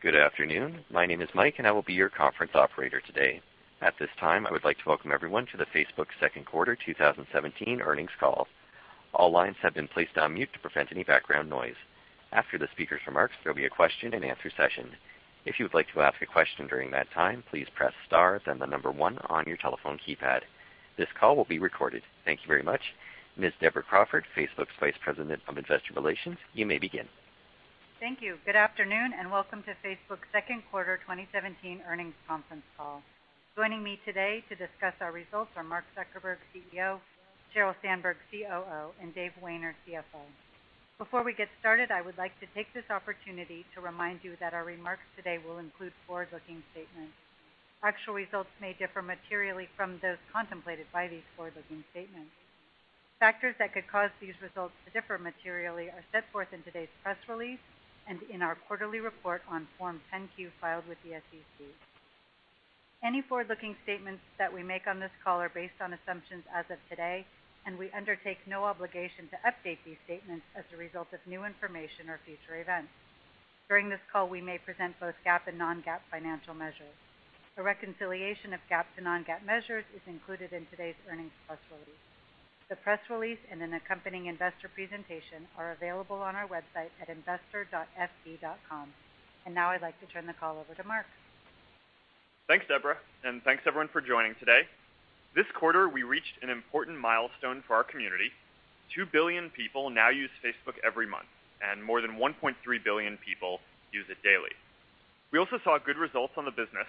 Good afternoon. My name is Mike, and I will be your conference operator today. At this time, I would like to welcome everyone to the Facebook second quarter 2017 earnings call. All lines have been placed on mute to prevent any background noise. After the speaker's remarks, there'll be a question and answer session. If you would like to ask a question during that time, please press star, then the number one on your telephone keypad. This call will be recorded. Thank you very much. Ms. Deborah Crawford, Facebook's Vice President of Investor Relations, you may begin. Thank you. Good afternoon, and welcome to Facebook's second quarter 2017 earnings conference call. Joining me today to discuss our results are Mark Zuckerberg, CEO; Sheryl Sandberg, COO; and David Wehner, CFO. Before we get started, I would like to take this opportunity to remind you that our remarks today will include forward-looking statements. Actual results may differ materially from those contemplated by these forward-looking statements. Factors that could cause these results to differ materially are set forth in today's press release and in our quarterly report on Form 10-Q filed with the SEC. Any forward-looking statements that we make on this call are based on assumptions as of today, and we undertake no obligation to update these statements as a result of new information or future events. During this call, we may present both GAAP and non-GAAP financial measures. A reconciliation of GAAP to non-GAAP measures is included in today's earnings press release. The press release and an accompanying investor presentation are available on our website at investor.fb.com. Now I'd like to turn the call over to Mark. Thanks, Deborah, and thanks everyone for joining today. This quarter, we reached an important milestone for our community. 2 billion people now use Facebook every month, and more than 1.3 billion people use it daily. We also saw good results on the business,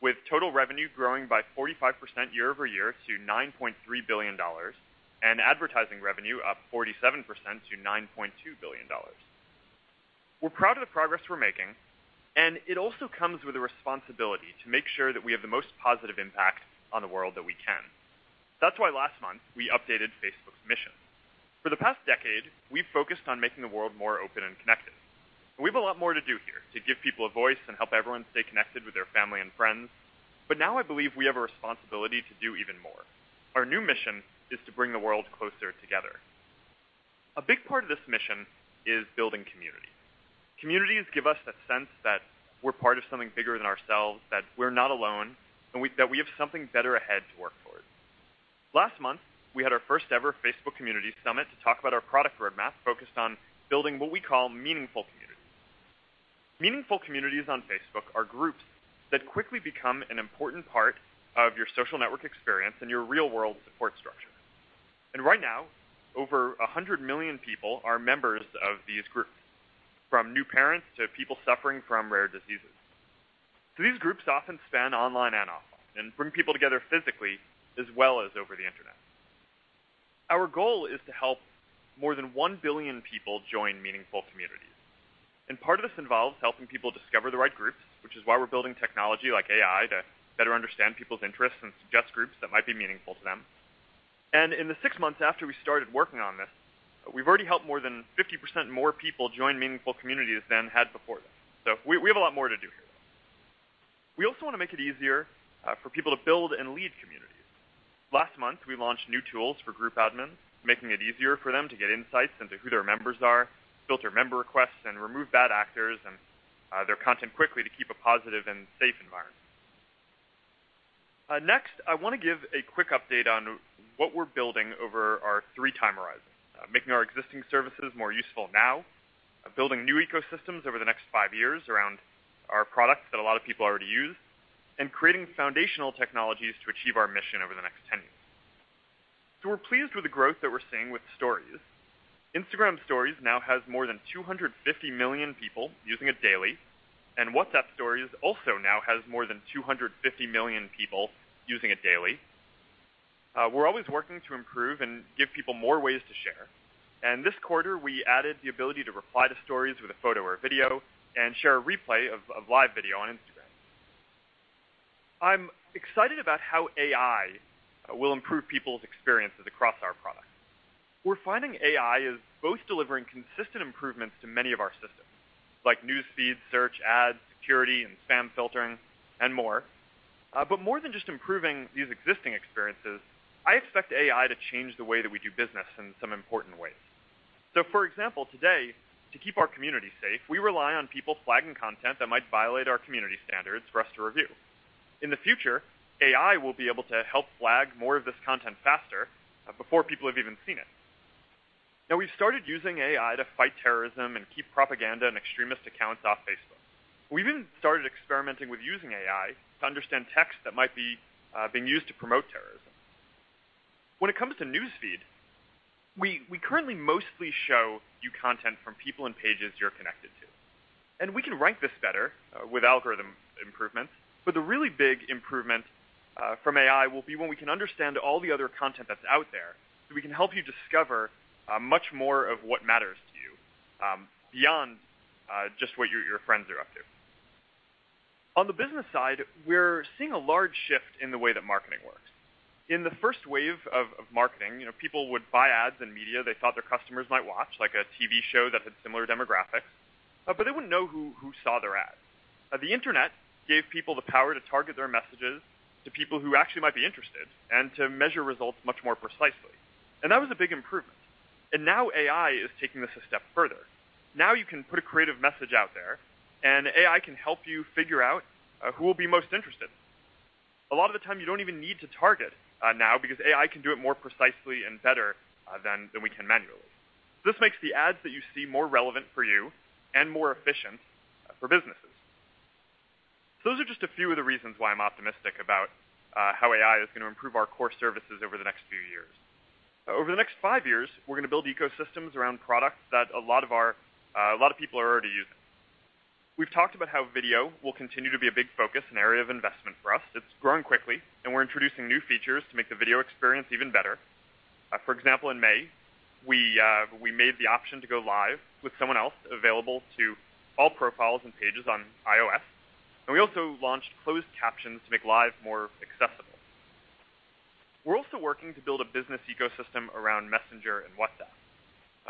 with total revenue growing by 45% year-over-year to $9.3 billion, and advertising revenue up 47% to $9.2 billion. We're proud of the progress we're making, it also comes with a responsibility to make sure that we have the most positive impact on the world that we can. That's why last month, we updated Facebook's mission. For the past decade, we've focused on making the world more open and connected. We have a lot more to do here to give people a voice and help everyone stay connected with their family and friends. Now I believe we have a responsibility to do even more. Our new mission is to bring the world closer together. A big part of this mission is building community. Communities give us that sense that we're part of something bigger than ourselves, that we're not alone, and that we have something better ahead to work toward. Last month, we had our first ever Facebook Community Summit to talk about our product roadmap focused on building what we call meaningful communities. Meaningful communities on Facebook are groups that quickly become an important part of your social network experience and your real-world support structure. Right now, over 100 million people are members of these groups, from new parents to people suffering from rare diseases. These groups often span online and offline and bring people together physically as well as over the internet. Our goal is to help more than 1 billion people join meaningful communities. Part of this involves helping people discover the right groups, which is why we're building technology like AI to better understand people's interests and suggest groups that might be meaningful to them. In the six months after we started working on this, we've already helped more than 50% more people join meaningful communities than had before. We have a lot more to do here. We also want to make it easier for people to build and lead communities. Last month, we launched new tools for group admins, making it easier for them to get insights into who their members are, filter member requests, and remove bad actors and their content quickly to keep a positive and safe environment. Next, I want to give a quick update on what we're building over our three time horizons: making our existing services more useful now, building new ecosystems over the next five years around our products that a lot of people already use, and creating foundational technologies to achieve our mission over the next 10 years. We're pleased with the growth that we're seeing with Stories. Instagram Stories now has more than 250 million people using it daily, and WhatsApp Stories also now has more than 250 million people using it daily. We're always working to improve and give people more ways to share. This quarter, we added the ability to reply to stories with a photo or video and share a replay of live video on Instagram. I'm excited about how AI will improve people's experiences across our products. We're finding AI is both delivering consistent improvements to many of our systems, like News Feed, search, ads, security, and spam filtering, and more. More than just improving these existing experiences, I expect AI to change the way that we do business in some important ways. For example, today, to keep our community safe, we rely on people flagging content that might violate our community standards for us to review. In the future, AI will be able to help flag more of this content faster before people have even seen it. We've started using AI to fight terrorism and keep propaganda and extremist accounts off Facebook. We even started experimenting with using AI to understand text that might be being used to promote terrorism. When it comes to News Feed, we currently mostly show you content from people and pages you're connected to. We can rank this better with algorithm improvements, the really big improvement from AI will be when we can understand all the other content that's out there, we can help you discover much more of what matters to you, beyond just what your friends are up to. On the business side, we're seeing a large shift in the way that marketing works. In the first wave of marketing, people would buy ads in media they thought their customers might watch, like a TV show that had similar demographics, they wouldn't know who saw their ads. The internet gave people the power to target their messages to people who actually might be interested and to measure results much more precisely. That was a big improvement. Now AI is taking this a step further. Now you can put a creative message out there, AI can help you figure out who will be most interested. A lot of the time you don't even need to target now because AI can do it more precisely and better than we can manually. This makes the ads that you see more relevant for you and more efficient for businesses. Those are just a few of the reasons why I'm optimistic about how AI is going to improve our core services over the next few years. Over the next 5 years, we're going to build ecosystems around products that a lot of people are already using. We've talked about how video will continue to be a big focus and area of investment for us. It's growing quickly, we're introducing new features to make the video experience even better. For example, in May, we made the option to go Live with someone else available to all profiles and pages on iOS, we also launched closed captions to make Live more accessible. We're also working to build a business ecosystem around Messenger and WhatsApp.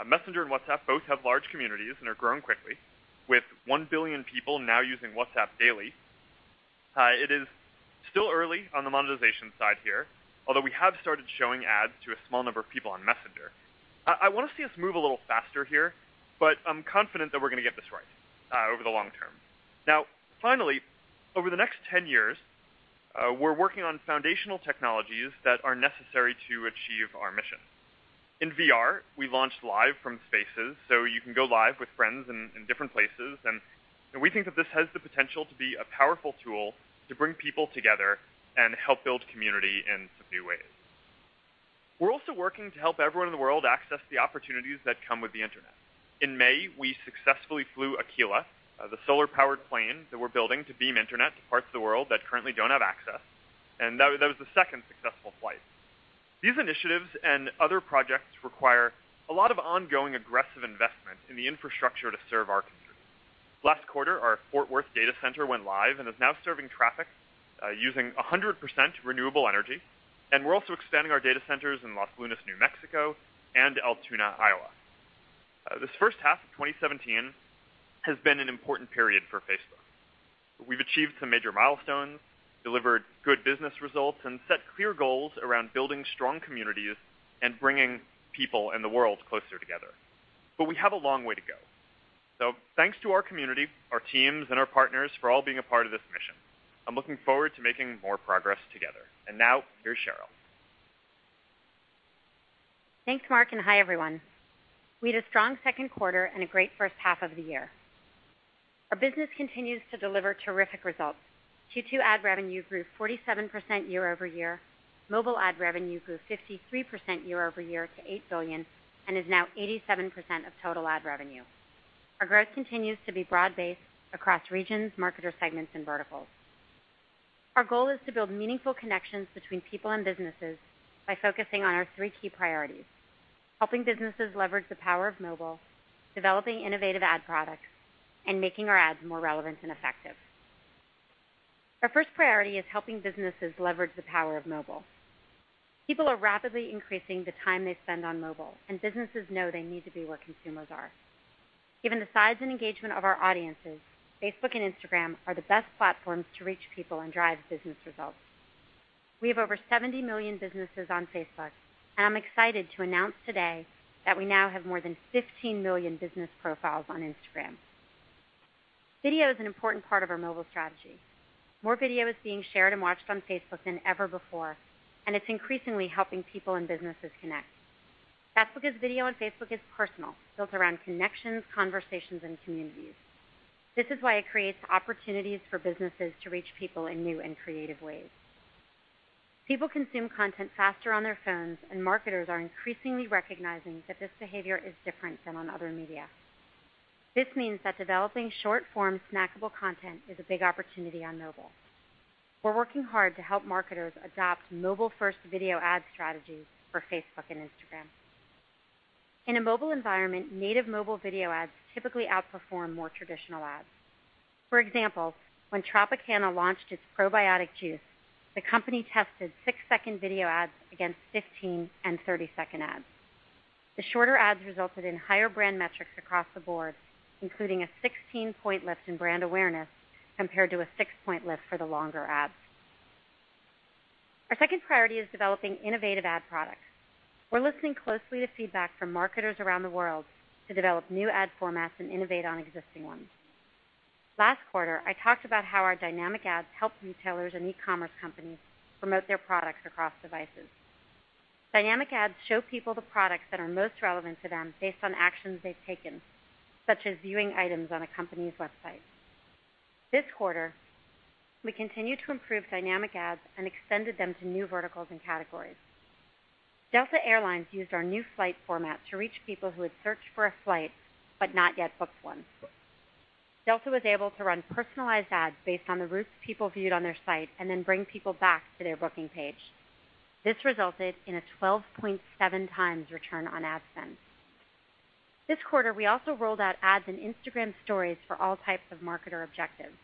Messenger and WhatsApp both have large communities, are growing quickly, with 1 billion people now using WhatsApp daily. It is still early on the monetization side here, although we have started showing ads to a small number of people on Messenger. I'm confident that we're going to get this right over the long term. Finally, over the next 10 years, we're working on foundational technologies that are necessary to achieve our mission. In VR, we launched Live from Spaces, you can go Live with friends in different places, we think that this has the potential to be a powerful tool to bring people together and help build community in some new ways. We're also working to help everyone in the world access the opportunities that come with the internet. In May, we successfully flew Aquila, the solar-powered plane that we're building to beam internet to parts of the world that currently don't have access, that was the second successful flight. These initiatives, other projects require a lot of ongoing aggressive investment in the infrastructure to serve our community. Last quarter, our Fort Worth data center went live, is now serving traffic using 100% renewable energy, we're also expanding our data centers in Los Lunas, New Mexico and Altoona, Iowa. This first half of 2017 has been an important period for Facebook. We've achieved some major milestones, delivered good business results, and set clear goals around building strong communities and bringing people and the world closer together. We have a long way to go. Thanks to our community, our teams, and our partners for all being a part of this mission. I'm looking forward to making more progress together. Now, here's Sheryl. Thanks, Mark, and hi, everyone. We had a strong second quarter and a great first half of the year. Our business continues to deliver terrific results. Q2 ad revenue grew 47% year-over-year. Mobile ad revenue grew 53% year-over-year to $8 billion and is now 87% of total ad revenue. Our growth continues to be broad-based across regions, marketer segments, and verticals. Our goal is to build meaningful connections between people and businesses by focusing on our three key priorities: helping businesses leverage the power of mobile, developing innovative ad products, and making our ads more relevant and effective. Our first priority is helping businesses leverage the power of mobile. People are rapidly increasing the time they spend on mobile, and businesses know they need to be where consumers are. Given the size and engagement of our audiences, Facebook and Instagram are the best platforms to reach people and drive business results. We have over 70 million businesses on Facebook. I'm excited to announce today that we now have more than 15 million business profiles on Instagram. Video is an important part of our mobile strategy. More video is being shared and watched on Facebook than ever before, and it's increasingly helping people and businesses connect. That's because video on Facebook is personal, built around connections, conversations, and communities. This is why it creates opportunities for businesses to reach people in new and creative ways. People consume content faster on their phones, and marketers are increasingly recognizing that this behavior is different than on other media. This means that developing short-form, snackable content is a big opportunity on mobile. We're working hard to help marketers adopt mobile-first video ad strategies for Facebook and Instagram. In a mobile environment, native mobile video ads typically outperform more traditional ads. For example, when Tropicana launched its probiotic juice, the company tested six-second video ads against 15 and 30-second ads. The shorter ads resulted in higher brand metrics across the board, including a 16-point lift in brand awareness compared to a six-point lift for the longer ads. Our second priority is developing innovative ad products. We're listening closely to feedback from marketers around the world to develop new ad formats and innovate on existing ones. Last quarter, I talked about how our Dynamic Ads help retailers and e-commerce companies promote their products across devices. Dynamic Ads show people the products that are most relevant to them based on actions they've taken, such as viewing items on a company's website. This quarter, we continued to improve Dynamic Ads and extended them to new verticals and categories. Delta Air Lines used our new flight format to reach people who had searched for a flight but not yet booked one. Delta was able to run personalized ads based on the routes people viewed on their site and then bring people back to their booking page. This resulted in a 12.7x return on ad spend. This quarter, we also rolled out ads in Instagram Stories for all types of marketer objectives.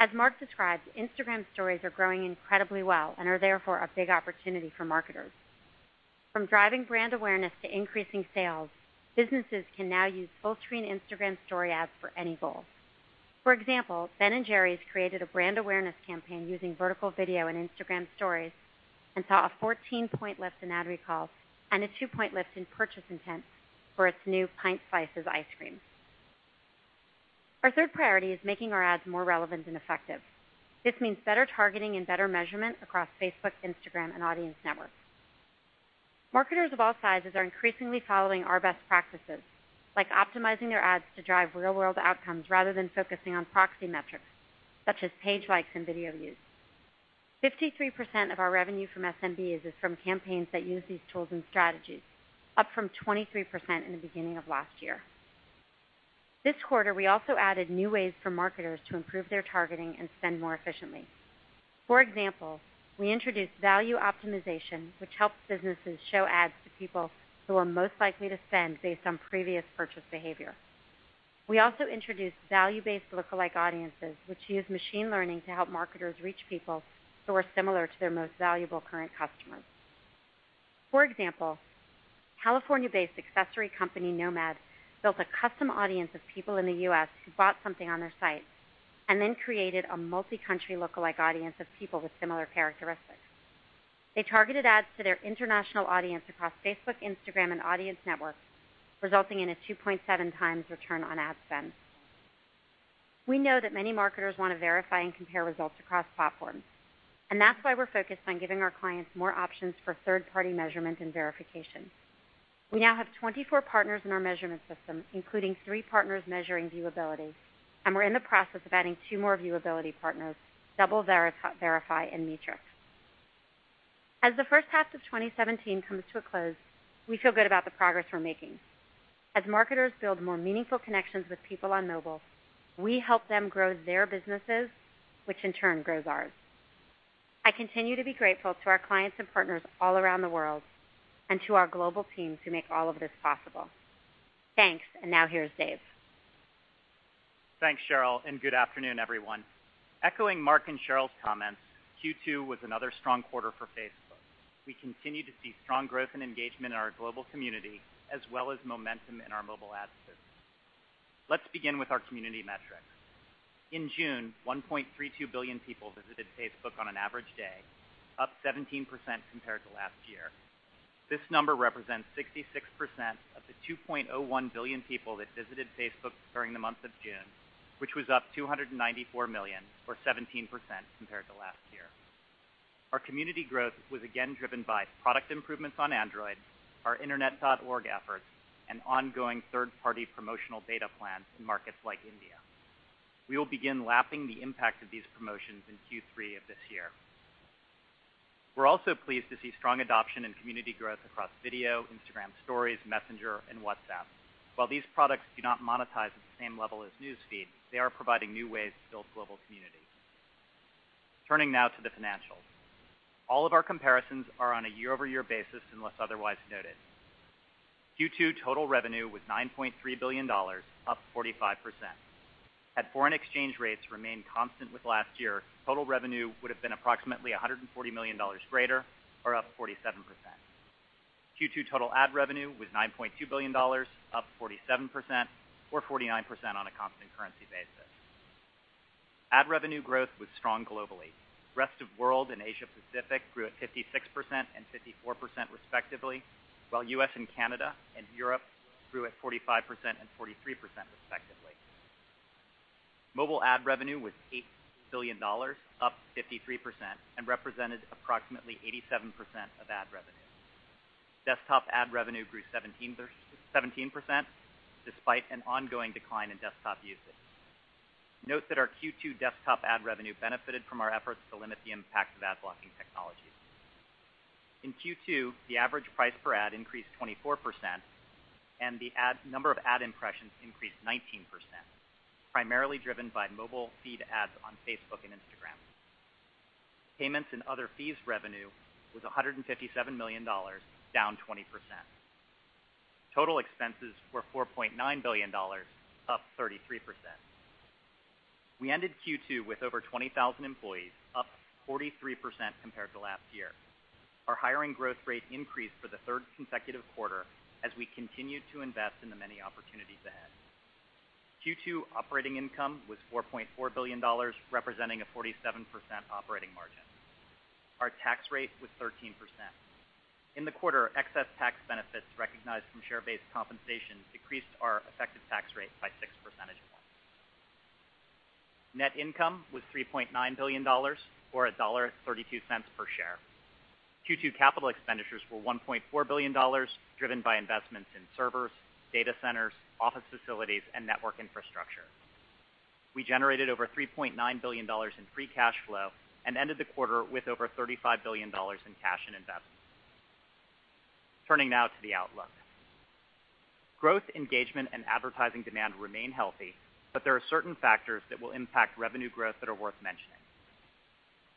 As Mark described, Instagram Stories are growing incredibly well and are therefore a big opportunity for marketers. From driving brand awareness to increasing sales, businesses can now use full-screen Instagram Story ads for any goal. For example, Ben & Jerry's created a brand awareness campaign using vertical video and Instagram Stories and saw a 14-point lift in ad recall and a two-point lift in purchase intent for its new Pint Slices ice cream. Our third priority is making our ads more relevant and effective. This means better targeting and better measurement across Facebook, Instagram, and Audience Network. Marketers of all sizes are increasingly following our best practices, like optimizing their ads to drive real-world outcomes rather than focusing on proxy metrics, such as page likes and video views. 53% of our revenue from SMBs is from campaigns that use these tools and strategies, up from 23% in the beginning of last year. This quarter, we also added new ways for marketers to improve their targeting and spend more efficiently. For example, we introduced value optimization, which helps businesses show ads to people who are most likely to spend based on previous purchase behavior. We also introduced value-based lookalike audiences, which use machine learning to help marketers reach people who are similar to their most valuable current customers. For example, California-based accessory company, Nomad, built a custom audience of people in the U.S. who bought something on their site and then created a multi-country lookalike audience of people with similar characteristics. They targeted ads to their international audience across Facebook, Instagram, and Audience Network, resulting in a 2.7x return on ad spend. We know that many marketers want to verify and compare results across platforms, and that's why we're focused on giving our clients more options for third-party measurement and verification. We now have 24 partners in our measurement system, including three partners measuring viewability, and we're in the process of adding two more viewability partners, DoubleVerify, and Meetrics. As the first half of 2017 comes to a close, we feel good about the progress we're making. As marketers build more meaningful connections with people on mobile, we help them grow their businesses, which in turn grows ours. I continue to be grateful to our clients and partners all around the world, and to our global team who make all of this possible. Thanks, and now here's Dave. Thanks, Sheryl. Good afternoon, everyone. Echoing Mark and Sheryl's comments, Q2 was another strong quarter for Facebook. We continue to see strong growth and engagement in our global community, as well as momentum in our mobile ad business. Let's begin with our community metrics. In June, 1.32 billion people visited Facebook on an average day, up 17% compared to last year. This number represents 66% of the 2.01 billion people that visited Facebook during the month of June, which was up 294 million or 17% compared to last year. Our community growth was again driven by product improvements on Android, our Internet.org efforts, and ongoing third-party promotional data plans in markets like India. We will begin lapping the impact of these promotions in Q3 of this year. We're also pleased to see strong adoption and community growth across Video, Instagram Stories, Messenger, and WhatsApp. While these products do not monetize at the same level as News Feed, they are providing new ways to build global community. Turning now to the financials. All of our comparisons are on a year-over-year basis unless otherwise noted. Q2 total revenue was $9.3 billion, up 45%. Had foreign exchange rates remained constant with last year, total revenue would've been approximately $140 million greater, or up 47%. Q2 total ad revenue was $9.2 billion, up 47%, or 49% on a constant currency basis. Ad revenue growth was strong globally. Rest of World and Asia Pacific grew at 56% and 54% respectively, while U.S. and Canada and Europe grew at 45% and 43% respectively. Mobile ad revenue was $8 billion, up 53%, and represented approximately 87% of ad revenue. Desktop ad revenue grew 17% despite an ongoing decline in desktop usage. Note that our Q2 desktop ad revenue benefited from our efforts to limit the impact of ad blocking technologies. In Q2, the average price per ad increased 24% and the number of ad impressions increased 19%, primarily driven by mobile feed ads on Facebook and Instagram. Payments and other fees revenue was $157 million, down 20%. Total expenses were $4.9 billion, up 33%. We ended Q2 with over 20,000 employees, up 43% compared to last year. Our hiring growth rate increased for the third consecutive quarter as we continued to invest in the many opportunities ahead. Q2 operating income was $4.4 billion, representing a 47% operating margin. Our tax rate was 13%. In the quarter, excess tax benefits recognized from share-based compensation decreased our effective tax rate by six percentage points. Net income was $3.9 billion or $1.32 per share. Q2 capital expenditures were $1.4 billion, driven by investments in servers, data centers, office facilities, and network infrastructure. We generated over $3.9 billion in free cash flow and ended the quarter with over $35 billion in cash and investments. Turning now to the outlook. Growth, engagement, and advertising demand remain healthy. There are certain factors that will impact revenue growth that are worth mentioning.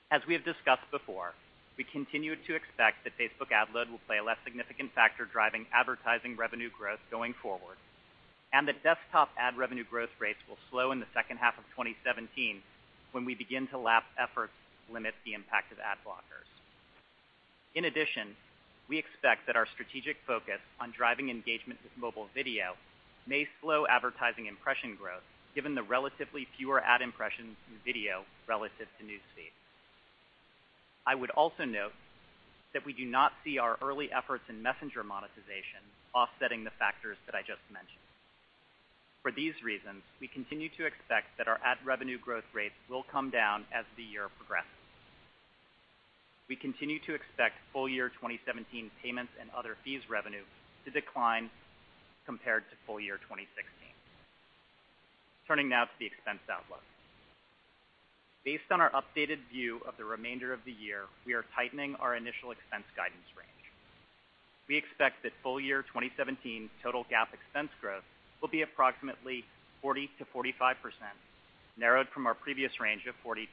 As we have discussed before, we continue to expect that Facebook ad load will play a less significant factor driving advertising revenue growth going forward, and that desktop ad revenue growth rates will slow in the second half of 2017 when we begin to lap efforts to limit the impact of ad blockers. In addition, we expect that our strategic focus on driving engagement with mobile video may slow advertising impression growth given the relatively fewer ad impressions in video relative to News Feed. I would also note that we do not see our early efforts in Messenger monetization offsetting the factors that I just mentioned. For these reasons, we continue to expect that our ad revenue growth rates will come down as the year progresses. We continue to expect full year 2017 payments and other fees revenue to decline compared to full year 2016. Turning now to the expense outlook. Based on our updated view of the remainder of the year, we are tightening our initial expense guidance range. We expect that full year 2017 total GAAP expense growth will be approximately 40%-45%, narrowed from our previous range of 40%-50%.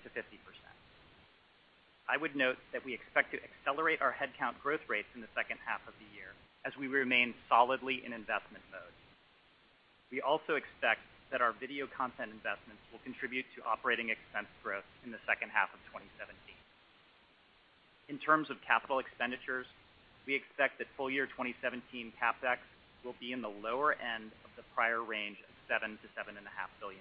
I would note that we expect to accelerate our headcount growth rates in the second half of the year as we remain solidly in investment mode. We also expect that our video content investments will contribute to operating expense growth in the second half of 2017. In terms of capital expenditures, we expect that full year 2017 CapEx will be in the lower end of the prior range of $7 billion-$7.5 billion.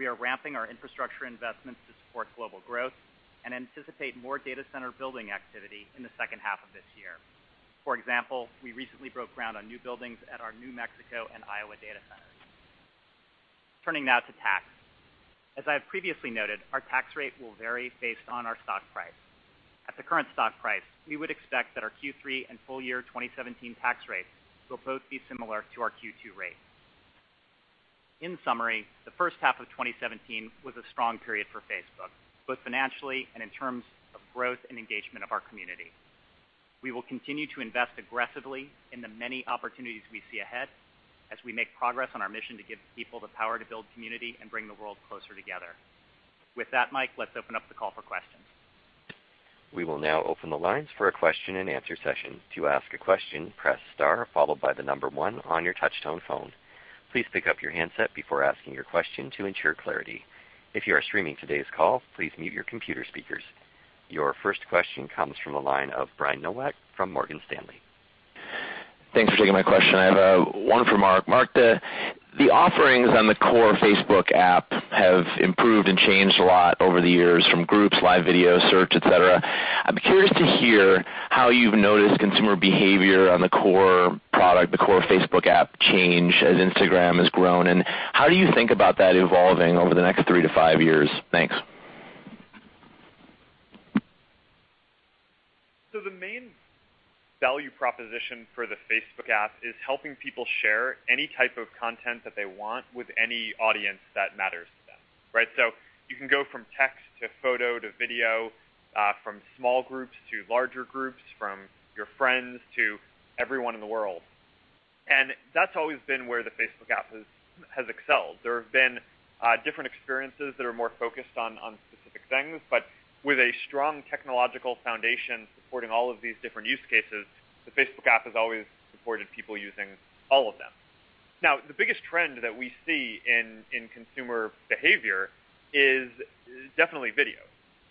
We are ramping our infrastructure investments to support global growth and anticipate more data center building activity in the second half of this year. For example, we recently broke ground on new buildings at our New Mexico and Iowa data centers. Turning now to tax. As I have previously noted, our tax rate will vary based on our stock price. At the current stock price, we would expect that our Q3 and full year 2017 tax rates will both be similar to our Q2 rates. In summary, the first half of 2017 was a strong period for Facebook, both financially and in terms of growth and engagement of our community. We will continue to invest aggressively in the many opportunities we see ahead as we make progress on our mission to give people the power to build community and bring the world closer together. With that, Mike, let's open up the call for questions. We will now open the lines for a question and answer session. To ask a question, press star followed by the number one on your touch-tone phone. Please pick up your handset before asking your question to ensure clarity. If you are streaming today's call, please mute your computer speakers. Your first question comes from the line of Brian Nowak from Morgan Stanley. Thanks for taking my question. I have one for Mark. Mark, the offerings on the core Facebook app have improved and changed a lot over the years from groups, live video, search, et cetera. I'm curious to hear how you've noticed consumer behavior on the core product, the core Facebook app change as Instagram has grown, and how do you think about that evolving over the next three to five years? Thanks. The main value proposition for the Facebook app is helping people share any type of content that they want with any audience that matters to them, right? You can go from text to photo to video, from small groups to larger groups, from your friends to everyone in the world. That's always been where the Facebook app has excelled. There have been different experiences that are more focused on specific things, but with a strong technological foundation supporting all of these different use cases, the Facebook app has always supported people using all of them. The biggest trend that we see in consumer behavior is definitely video,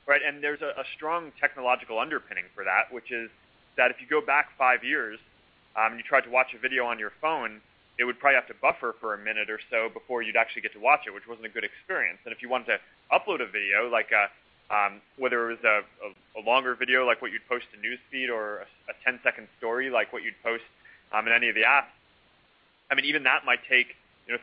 right? There's a strong technological underpinning for that, which is that if you go back five years, and you tried to watch a video on your phone, it would probably have to buffer for a minute or so before you'd actually get to watch it, which wasn't a good experience. If you wanted to upload a video, whether it was a longer video like what you'd post to News Feed or a 10-second story like what you'd post in any of the apps, I mean, even that might take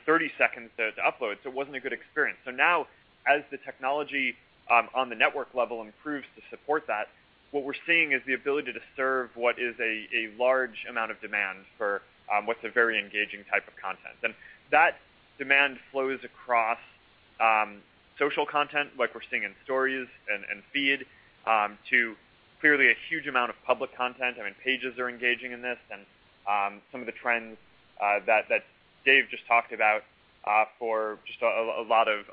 30 seconds to upload. It wasn't a good experience. Now as the technology on the network level improves to support that, what we're seeing is the ability to serve what is a large amount of demand for what's a very engaging type of content. That demand flows across social content like we're seeing in Stories and Feed, to clearly a huge amount of public content. I mean, pages are engaging in this and some of the trends that Dave just talked about for just a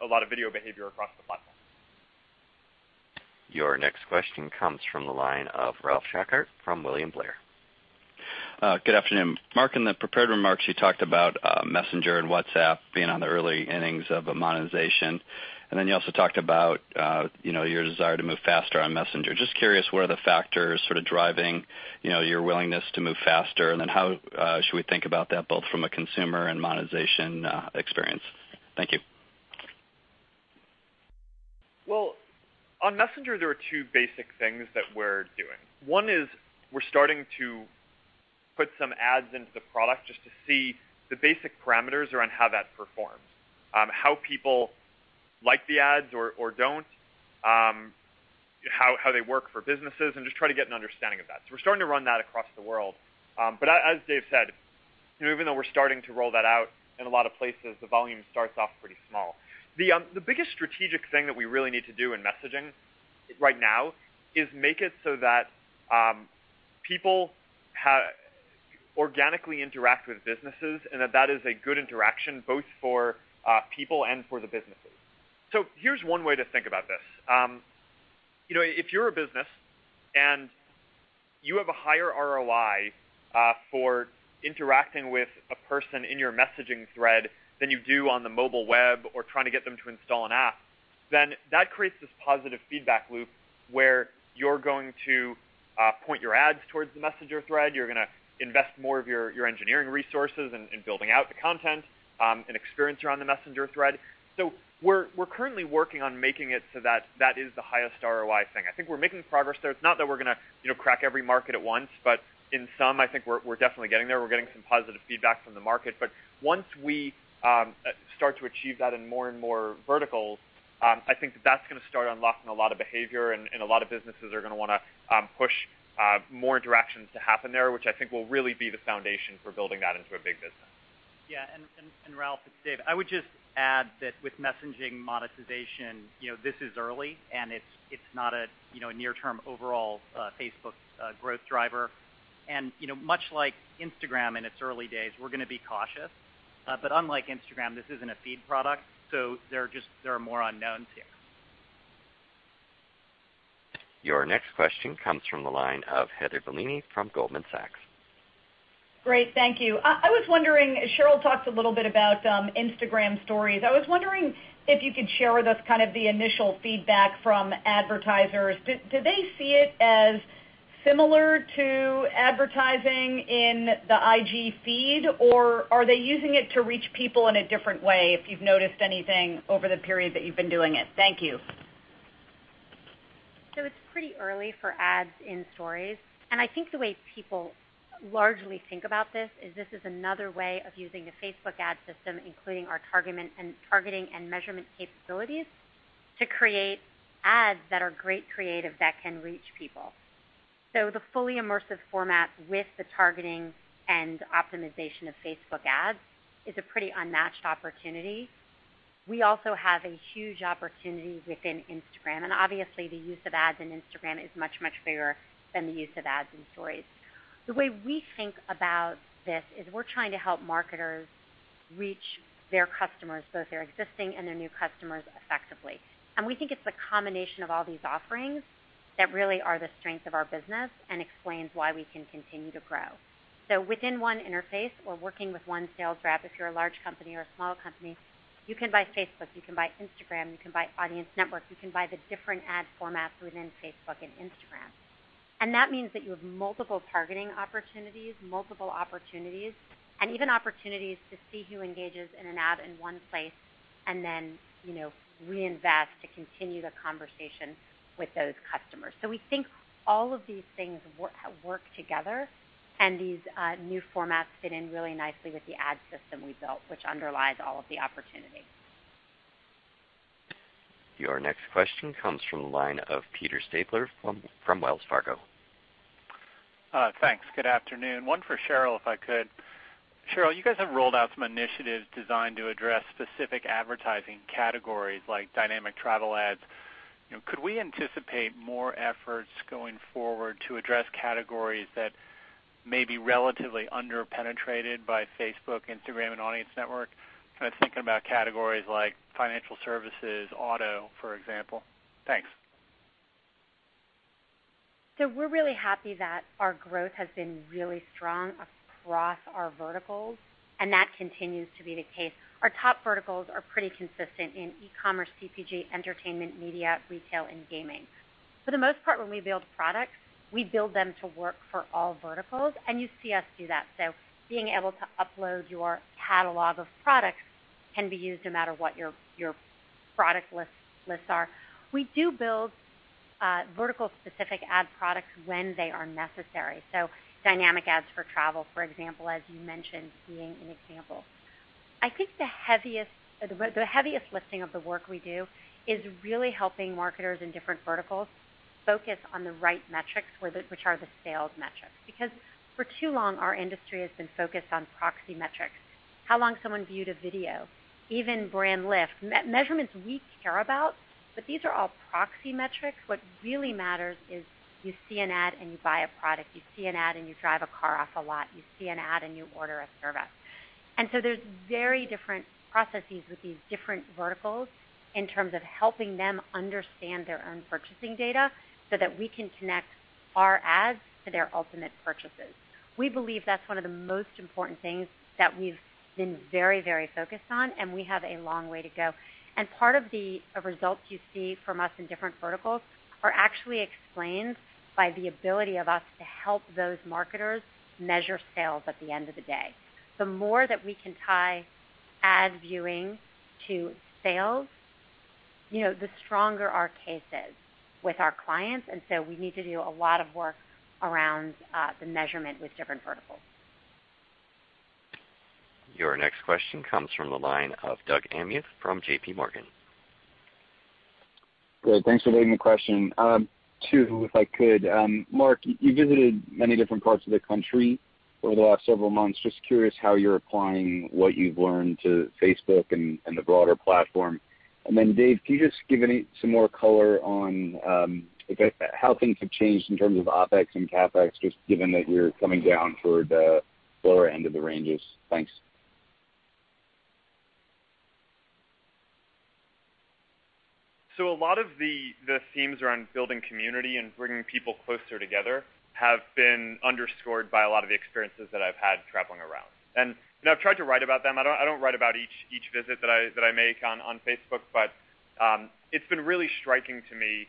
lot of video behavior across the platform. Your next question comes from the line of Ralph Schackart from William Blair. Good afternoon. Mark, in the prepared remarks, you talked about Messenger and WhatsApp being on the early innings of a monetization. You also talked about your desire to move faster on Messenger. Just curious, what are the factors sort of driving your willingness to move faster, and how should we think about that, both from a consumer and monetization experience? Thank you. Well, on Messenger, there are two basic things that we're doing. One is we're starting to put some ads into the product just to see the basic parameters around how that performs. How people like the ads or don't, how they work for businesses, and just try to get an understanding of that. We're starting to run that across the world. As Dave said, even though we're starting to roll that out in a lot of places, the volume starts off pretty small. The biggest strategic thing that we really need to do in messaging right now is make it so that people organically interact with businesses, and that that is a good interaction both for people and for the businesses. Here's one way to think about this. If you're a business and You have a higher ROI for interacting with a person in your messaging thread than you do on the mobile web or trying to get them to install an app, then that creates this positive feedback loop where you're going to point your ads towards the Messenger thread. You're going to invest more of your engineering resources in building out the content and experience around the Messenger thread. We're currently working on making it so that is the highest ROI thing. I think we're making progress there. It's not that we're going to crack every market at once, but in some, I think we're definitely getting there. We're getting some positive feedback from the market. Once we start to achieve that in more and more verticals, I think that's going to start unlocking a lot of behavior, and a lot of businesses are going to want to push more interactions to happen there, which I think will really be the foundation for building that into a big business. Yeah, Ralph, it's Dave. I would just add that with messaging monetization, this is early, and it's not a near-term overall Facebook growth driver. Much like Instagram in its early days, we're going to be cautious. Unlike Instagram, this isn't a feed product, there are more unknowns here. Your next question comes from the line of Heather Bellini from Goldman Sachs. Great. Thank you. I was wondering, as Sheryl talked a little bit about Instagram Stories, I was wondering if you could share with us kind of the initial feedback from advertisers. Do they see it as similar to advertising in the IG feed, or are they using it to reach people in a different way, if you've noticed anything over the period that you've been doing it? Thank you. It's pretty early for ads in Stories, and I think the way people largely think about this is this is another way of using the Facebook ad system, including our targeting and measurement capabilities, to create ads that are great creative that can reach people. The fully immersive format with the targeting and optimization of Facebook ads is a pretty unmatched opportunity. We also have a huge opportunity within Instagram, and obviously the use of ads in Instagram is much, much bigger than the use of ads in Stories. The way we think about this is we're trying to help marketers reach their customers, both their existing and their new customers, effectively. We think it's the combination of all these offerings that really are the strength of our business and explains why we can continue to grow. Within one interface or working with one sales rep, if you're a large company or a small company, you can buy Facebook, you can buy Instagram, you can buy Audience Network, you can buy the different ad formats within Facebook and Instagram. That means that you have multiple targeting opportunities, multiple opportunities, and even opportunities to see who engages in an ad in one place and then reinvest to continue the conversation with those customers. We think all of these things work together, and these new formats fit in really nicely with the ad system we built, which underlies all of the opportunities. Your next question comes from the line of Peter Stabler from Wells Fargo. Thanks. Good afternoon. One for Sheryl, if I could. Sheryl, you guys have rolled out some initiatives designed to address specific advertising categories like dynamic travel ads. Could we anticipate more efforts going forward to address categories that may be relatively under-penetrated by Facebook, Instagram, and Audience Network? Kind of thinking about categories like financial services, auto, for example. Thanks. We're really happy that our growth has been really strong across our verticals, and that continues to be the case. Our top verticals are pretty consistent in e-commerce, CPG, entertainment, media, retail, and gaming. For the most part, when we build products, we build them to work for all verticals, and you see us do that. Being able to upload your catalog of products can be used no matter what your product lists are. We do build vertical-specific ad products when they are necessary. Dynamic Ads for travel, for example, as you mentioned, being an example. I think the heaviest lifting of the work we do is really helping marketers in different verticals focus on the right metrics, which are the sales metrics. For too long, our industry has been focused on proxy metrics. How long someone viewed a video, even brand lift. Measurements we care about, these are all proxy metrics. What really matters is you see an ad and you buy a product, you see an ad and you drive a car off a lot, you see an ad and you order a service. There's very different processes with these different verticals in terms of helping them understand their own purchasing data so that we can connect our ads to their ultimate purchases. We believe that's one of the most important things that we've been very focused on, and we have a long way to go. Part of the results you see from us in different verticals are actually explained by the ability of us to help those marketers measure sales at the end of the day. The more that we can tie ad viewing to sales, the stronger our case is with our clients, we need to do a lot of work around the measurement with different verticals. Your next question comes from the line of Doug Anmuth from J.P. Morgan. Great. Thanks for taking the question. Two, if I could. Mark, you visited many different parts of the country over the last several months. Just curious how you're applying what you've learned to Facebook and the broader platform. Dave, can you just give some more color on how things have changed in terms of OpEx and CapEx, just given that we're coming down toward the lower end of the ranges? Thanks. A lot of the themes around building community and bringing people closer together have been underscored by a lot of the experiences that I've had traveling around. I've tried to write about them. I don't write about each visit that I make on Facebook, but it's been really striking to me,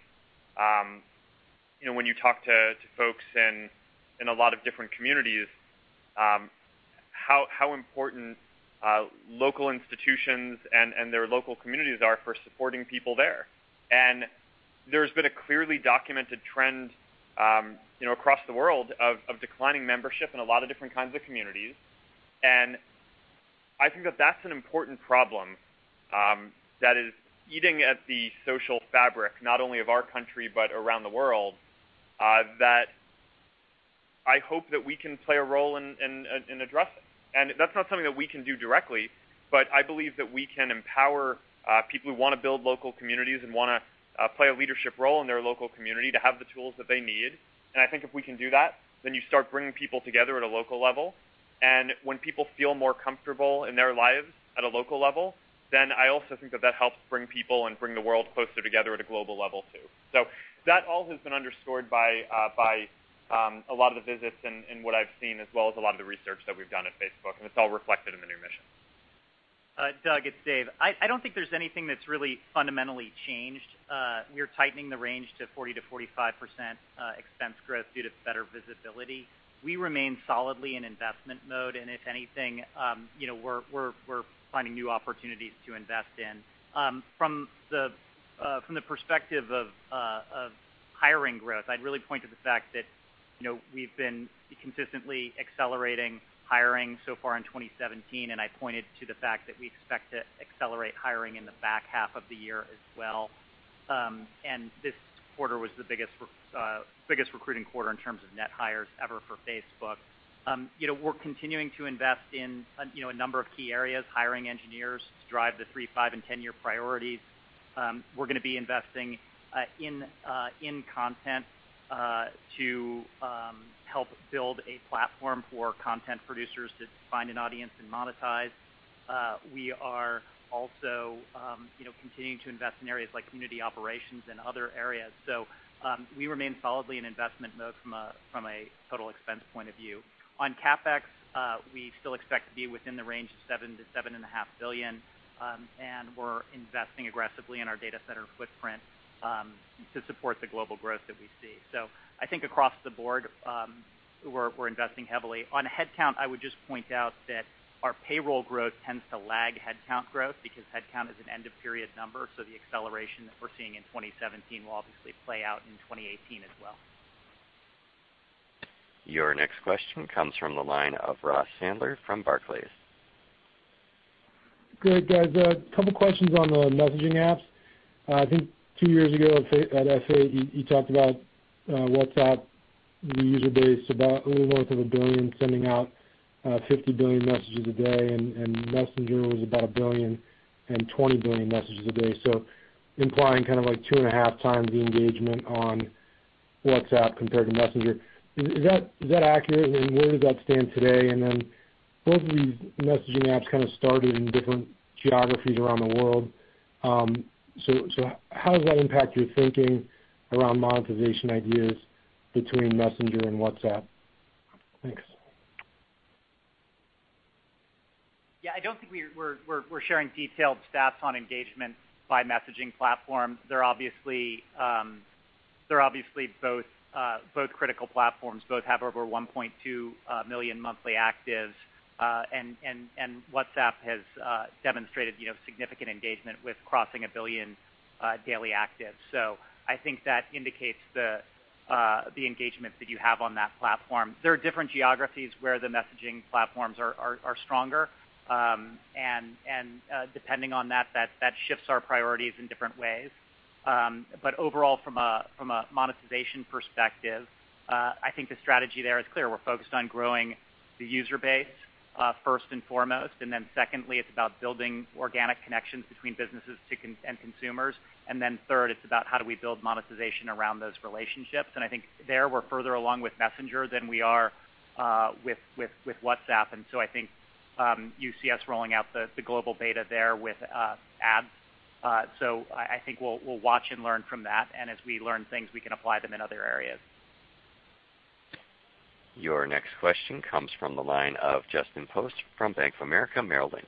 when you talk to folks in a lot of different communities, how important local institutions and their local communities are for supporting people there. There's been a clearly documented trend across the world of declining membership in a lot of different kinds of communities. I think that that's an important problem that is eating at the social fabric not only of our country, but around the world, that I hope that we can play a role in addressing. That's not something that we can do directly, but I believe that we can empower people who want to build local communities and want to play a leadership role in their local community to have the tools that they need. I think if we can do that, then you start bringing people together at a local level. When people feel more comfortable in their lives at a local level, then I also think that that helps bring people and bring the world closer together at a global level, too. That all has been underscored by a lot of the visits and what I've seen, as well as a lot of the research that we've done at Facebook. It's all reflected in the new mission. Doug, it's Dave. I don't think there's anything that's really fundamentally changed. We're tightening the range to 40%-45% expense growth due to better visibility. We remain solidly in investment mode, and if anything, we're finding new opportunities to invest in. From the perspective of hiring growth, I'd really point to the fact that we've been consistently accelerating hiring so far in 2017, and I pointed to the fact that we expect to accelerate hiring in the back half of the year as well. This quarter was the biggest recruiting quarter in terms of net hires ever for Facebook. We're continuing to invest in a number of key areas, hiring engineers to drive the three, five, and 10-year priorities. We're going to be investing in content to help build a platform for content producers to find an audience and monetize. We are also continuing to invest in areas like community operations and other areas. We remain solidly in investment mode from a total expense point of view. On CapEx, we still expect to be within the range of $7 billion-$7.5 billion, and we're investing aggressively in our data center footprint to support the global growth that we see. I think across the board, we're investing heavily. On headcount, I would just point out that our payroll growth tends to lag headcount growth because headcount is an end-of-period number. The acceleration that we're seeing in 2017 will obviously play out in 2018 as well. Your next question comes from the line of Ross Sandler from Barclays. Great, guys. A couple of questions on the messaging apps. I think two years ago at F8, you talked about WhatsApp, the user base, about a little north of 1 billion, sending out 50 billion messages a day, and Messenger was about 1 billion and 20 billion messages a day. Implying kind of 2.5 times the engagement on WhatsApp compared to Messenger. Is that accurate? Where does that stand today? Both of these messaging apps kind of started in different geographies around the world. How does that impact your thinking around monetization ideas between Messenger and WhatsApp? Thanks. Yeah, I don't think we're sharing detailed stats on engagement by messaging platform. They're obviously both critical platforms. Both have over 1.2 million monthly actives, and WhatsApp has demonstrated significant engagement with crossing 1 billion daily actives. I think that indicates the engagement that you have on that platform. There are different geographies where the messaging platforms are stronger, and depending on that shifts our priorities in different ways. Overall, from a monetization perspective, I think the strategy there is clear. We're focused on growing the user base first and foremost, secondly, it's about building organic connections between businesses and consumers. Third, it's about how do we build monetization around those relationships. I think there we're further along with Messenger than we are with WhatsApp. I think you see us rolling out the global beta there with ads. I think we'll watch and learn from that. As we learn things, we can apply them in other areas. Your next question comes from the line of Justin Post from Bank of America Merrill Lynch.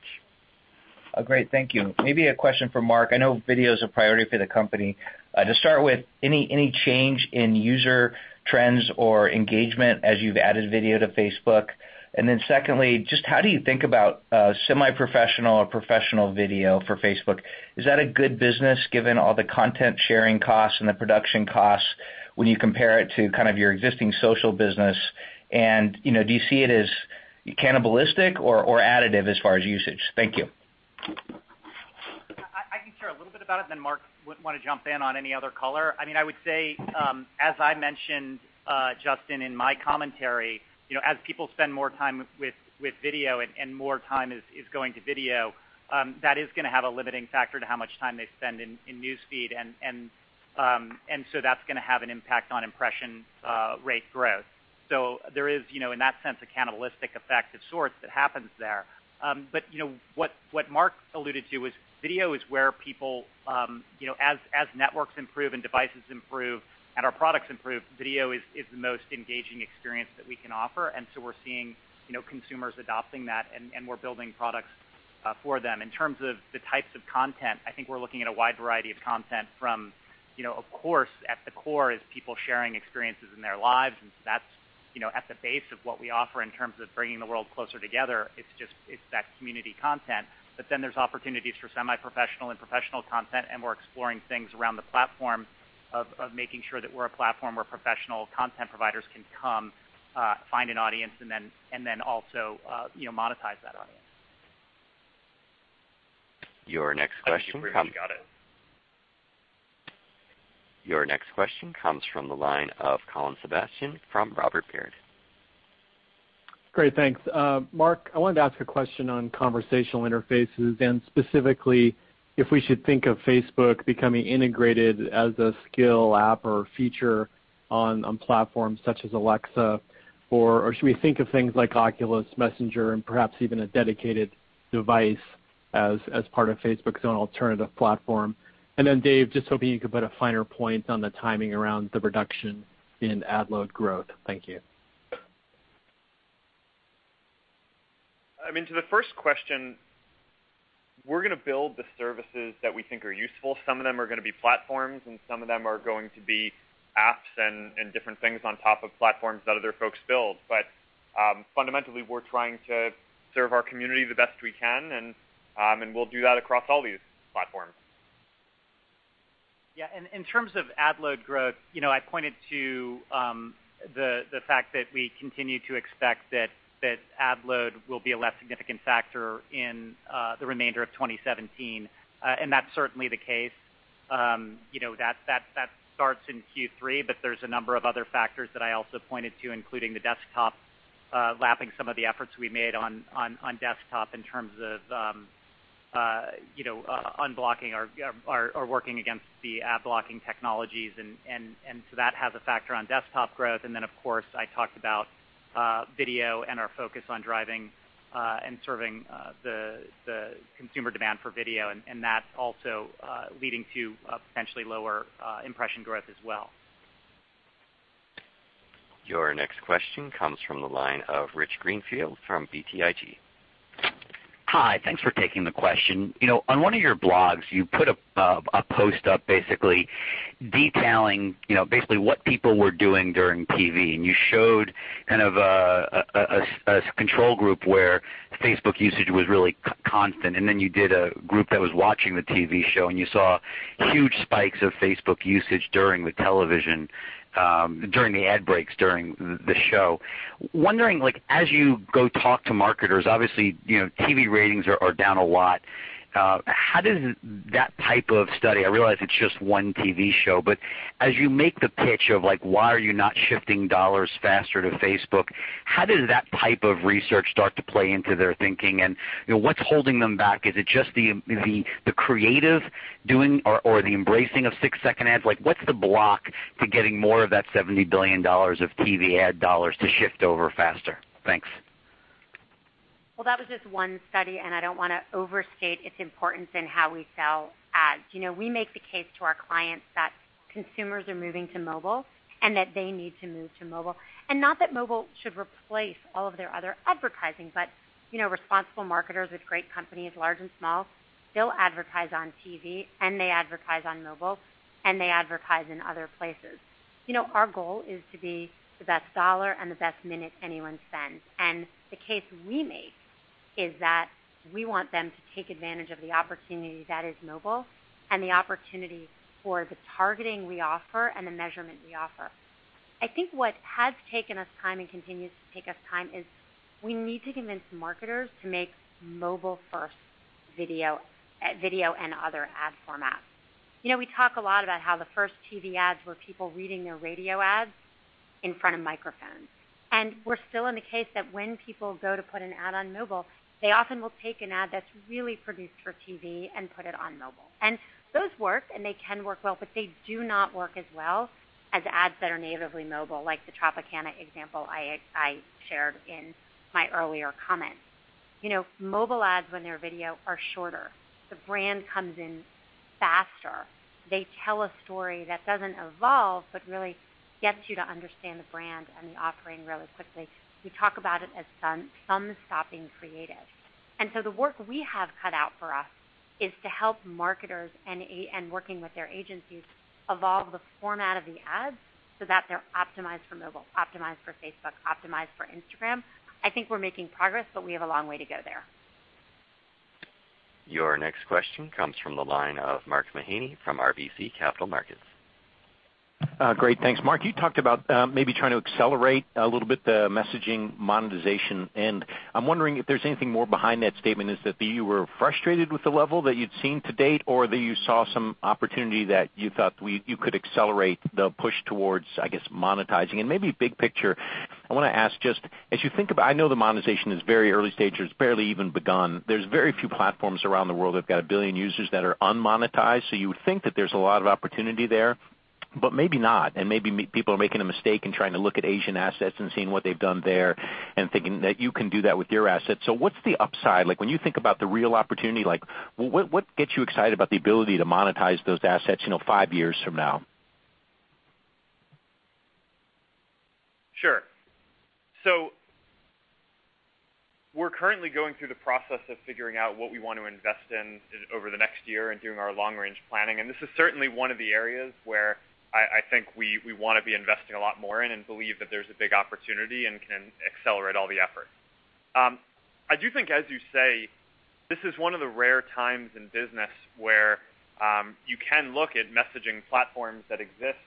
Great. Thank you. Maybe a question for Mark. I know video is a priority for the company. To start with, any change in user trends or engagement as you've added video to Facebook? Then secondly, just how do you think about semi-professional or professional video for Facebook? Is that a good business given all the content sharing costs and the production costs when you compare it to kind of your existing social business? Do you see it as cannibalistic or additive as far as usage? Thank you. I can share a little bit about it, then Mark would want to jump in on any other color. I would say, as I mentioned, Justin, in my commentary, as people spend more time with video and more time is going to video, that is going to have a limiting factor to how much time they spend in News Feed and so that's going to have an impact on impression rate growth. There is, in that sense, a cannibalistic effect of sorts that happens there. What Mark alluded to was video is where people, as networks improve and devices improve, and our products improve, video is the most engaging experience that we can offer. We're seeing consumers adopting that, and we're building products for them. In terms of the types of content, I think we're looking at a wide variety of content from, of course, at the core is people sharing experiences in their lives. That's at the base of what we offer in terms of bringing the world closer together. It's that community content. There's opportunities for semi-professional and professional content, and we're exploring things around the platform of making sure that we're a platform where professional content providers can come, find an audience, and then also monetize that audience. Your next question comes. I think you pretty much got it. Your next question comes from the line of Colin Sebastian from Robert Baird. Great. Thanks. Mark, I wanted to ask a question on conversational interfaces, specifically if we should think of Facebook becoming integrated as a skill app or feature on platforms such as Alexa, or should we think of things like Oculus, Messenger, and perhaps even a dedicated device as part of Facebook's own alternative platform? Dave, just hoping you could put a finer point on the timing around the reduction in ad load growth. Thank you. To the first question, we're going to build the services that we think are useful. Some of them are going to be platforms, some of them are going to be apps and different things on top of platforms that other folks build. Fundamentally, we're trying to serve our community the best we can, we'll do that across all these platforms. Yeah. In terms of ad load growth, I pointed to the fact that we continue to expect that ad load will be a less significant factor in the remainder of 2017. That's certainly the case. That starts in Q3, there's a number of other factors that I also pointed to, including the desktop lapping some of the efforts we made on desktop in terms of unblocking or working against the ad blocking technologies. That has a factor on desktop growth. Of course, I talked about video and our focus on driving and serving the consumer demand for video, that also leading to potentially lower impression growth as well. Your next question comes from the line of Rich Greenfield from BTIG. Hi. Thanks for taking the question. On one of your blogs, you put a post up basically detailing what people were doing during TV. You showed kind of a control group where Facebook usage was really constant, then you did a group that was watching the TV show, and you saw huge spikes of Facebook usage during the ad breaks during the show. Wondering, as you go talk to marketers, obviously, TV ratings are down a lot. How does that type of study, I realize it's just one TV show, but as you make the pitch of why are you not shifting dollars faster to Facebook, how does that type of research start to play into their thinking, and what's holding them back? Is it just the creative doing or the embracing of six-second ads? What's the block to getting more of that $70 billion of TV ad dollars to shift over faster? Thanks. Well, that was just one study, and I don't want to overstate its importance in how we sell ads. We make the case to our clients that consumers are moving to mobile and that they need to move to mobile. Not that mobile should replace all of their other advertising, but responsible marketers with great companies, large and small, still advertise on TV, and they advertise on mobile, and they advertise in other places. Our goal is to be the best dollar and the best minute anyone spends. The case we make is that we want them to take advantage of the opportunity that is mobile and the opportunity for the targeting we offer and the measurement we offer. I think what has taken us time and continues to take us time is we need to convince marketers to make mobile-first video and other ad formats. We talk a lot about how the first TV ads were people reading their radio ads in front of microphones. We're still in the case that when people go to put an ad on mobile, they often will take an ad that's really produced for TV and put it on mobile. Those work, and they can work well, but they do not work as well as ads that are natively mobile, like the Tropicana example I shared in my earlier comments. Mobile ads, when they're video, are shorter. The brand comes in faster. They tell a story that doesn't evolve, but really gets you to understand the brand and the offering really quickly. We talk about it as thumb-stopping creative. The work we have cut out for us is to help marketers, and working with their agencies, evolve the format of the ads so that they're optimized for mobile, optimized for Facebook, optimized for Instagram. I think we're making progress, but we have a long way to go there. Your next question comes from the line of Mark Mahaney from RBC Capital Markets. Great. Thanks. Mark, you talked about maybe trying to accelerate a little bit the messaging monetization, and I'm wondering if there's anything more behind that statement. Is it that you were frustrated with the level that you'd seen to date, or that you saw some opportunity that you thought you could accelerate the push towards, I guess, monetizing? Maybe big picture, I want to ask just as you think about, I know the monetization is very early stages, barely even begun. There's very few platforms around the world that've got 1 billion users that are unmonetized, so you would think that there's a lot of opportunity there. Maybe not, and maybe people are making a mistake in trying to look at Asian assets and seeing what they've done there and thinking that you can do that with your assets. What's the upside like when you think about the real opportunity? What gets you excited about the ability to monetize those assets five years from now? Sure. We're currently going through the process of figuring out what we want to invest in over the next year and doing our long-range planning. This is certainly one of the areas where I think we want to be investing a lot more in and believe that there's a big opportunity and can accelerate all the effort. I do think, as you say, this is one of the rare times in business where you can look at messaging platforms that exist,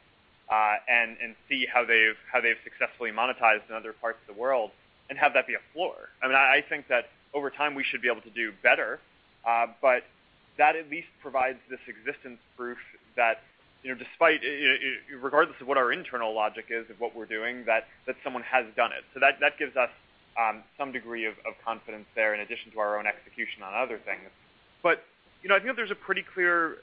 and see how they've successfully monetized in other parts of the world and have that be a floor. I think that over time we should be able to do better, but that at least provides this existence proof that regardless of what our internal logic is of what we're doing, that someone has done it. That gives us some degree of confidence there in addition to our own execution on other things. I feel there's a pretty clear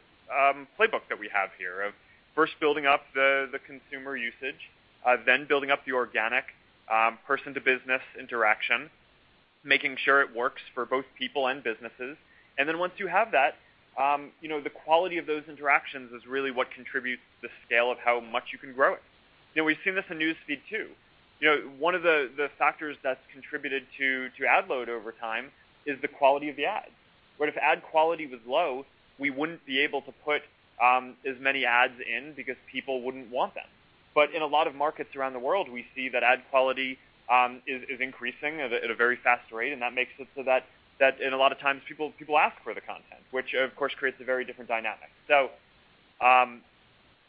playbook that we have here of first building up the consumer usage, then building up the organic person-to-business interaction, making sure it works for both people and businesses. Then once you have that, the quality of those interactions is really what contributes to the scale of how much you can grow it. We've seen this in News Feed too. One of the factors that's contributed to ad load over time is the quality of the ads, where if ad quality was low, we wouldn't be able to put as many ads in because people wouldn't want them. In a lot of markets around the world, we see that ad quality is increasing at a very fast rate, and that makes it so that in a lot of times people ask for the content, which of course creates a very different dynamic.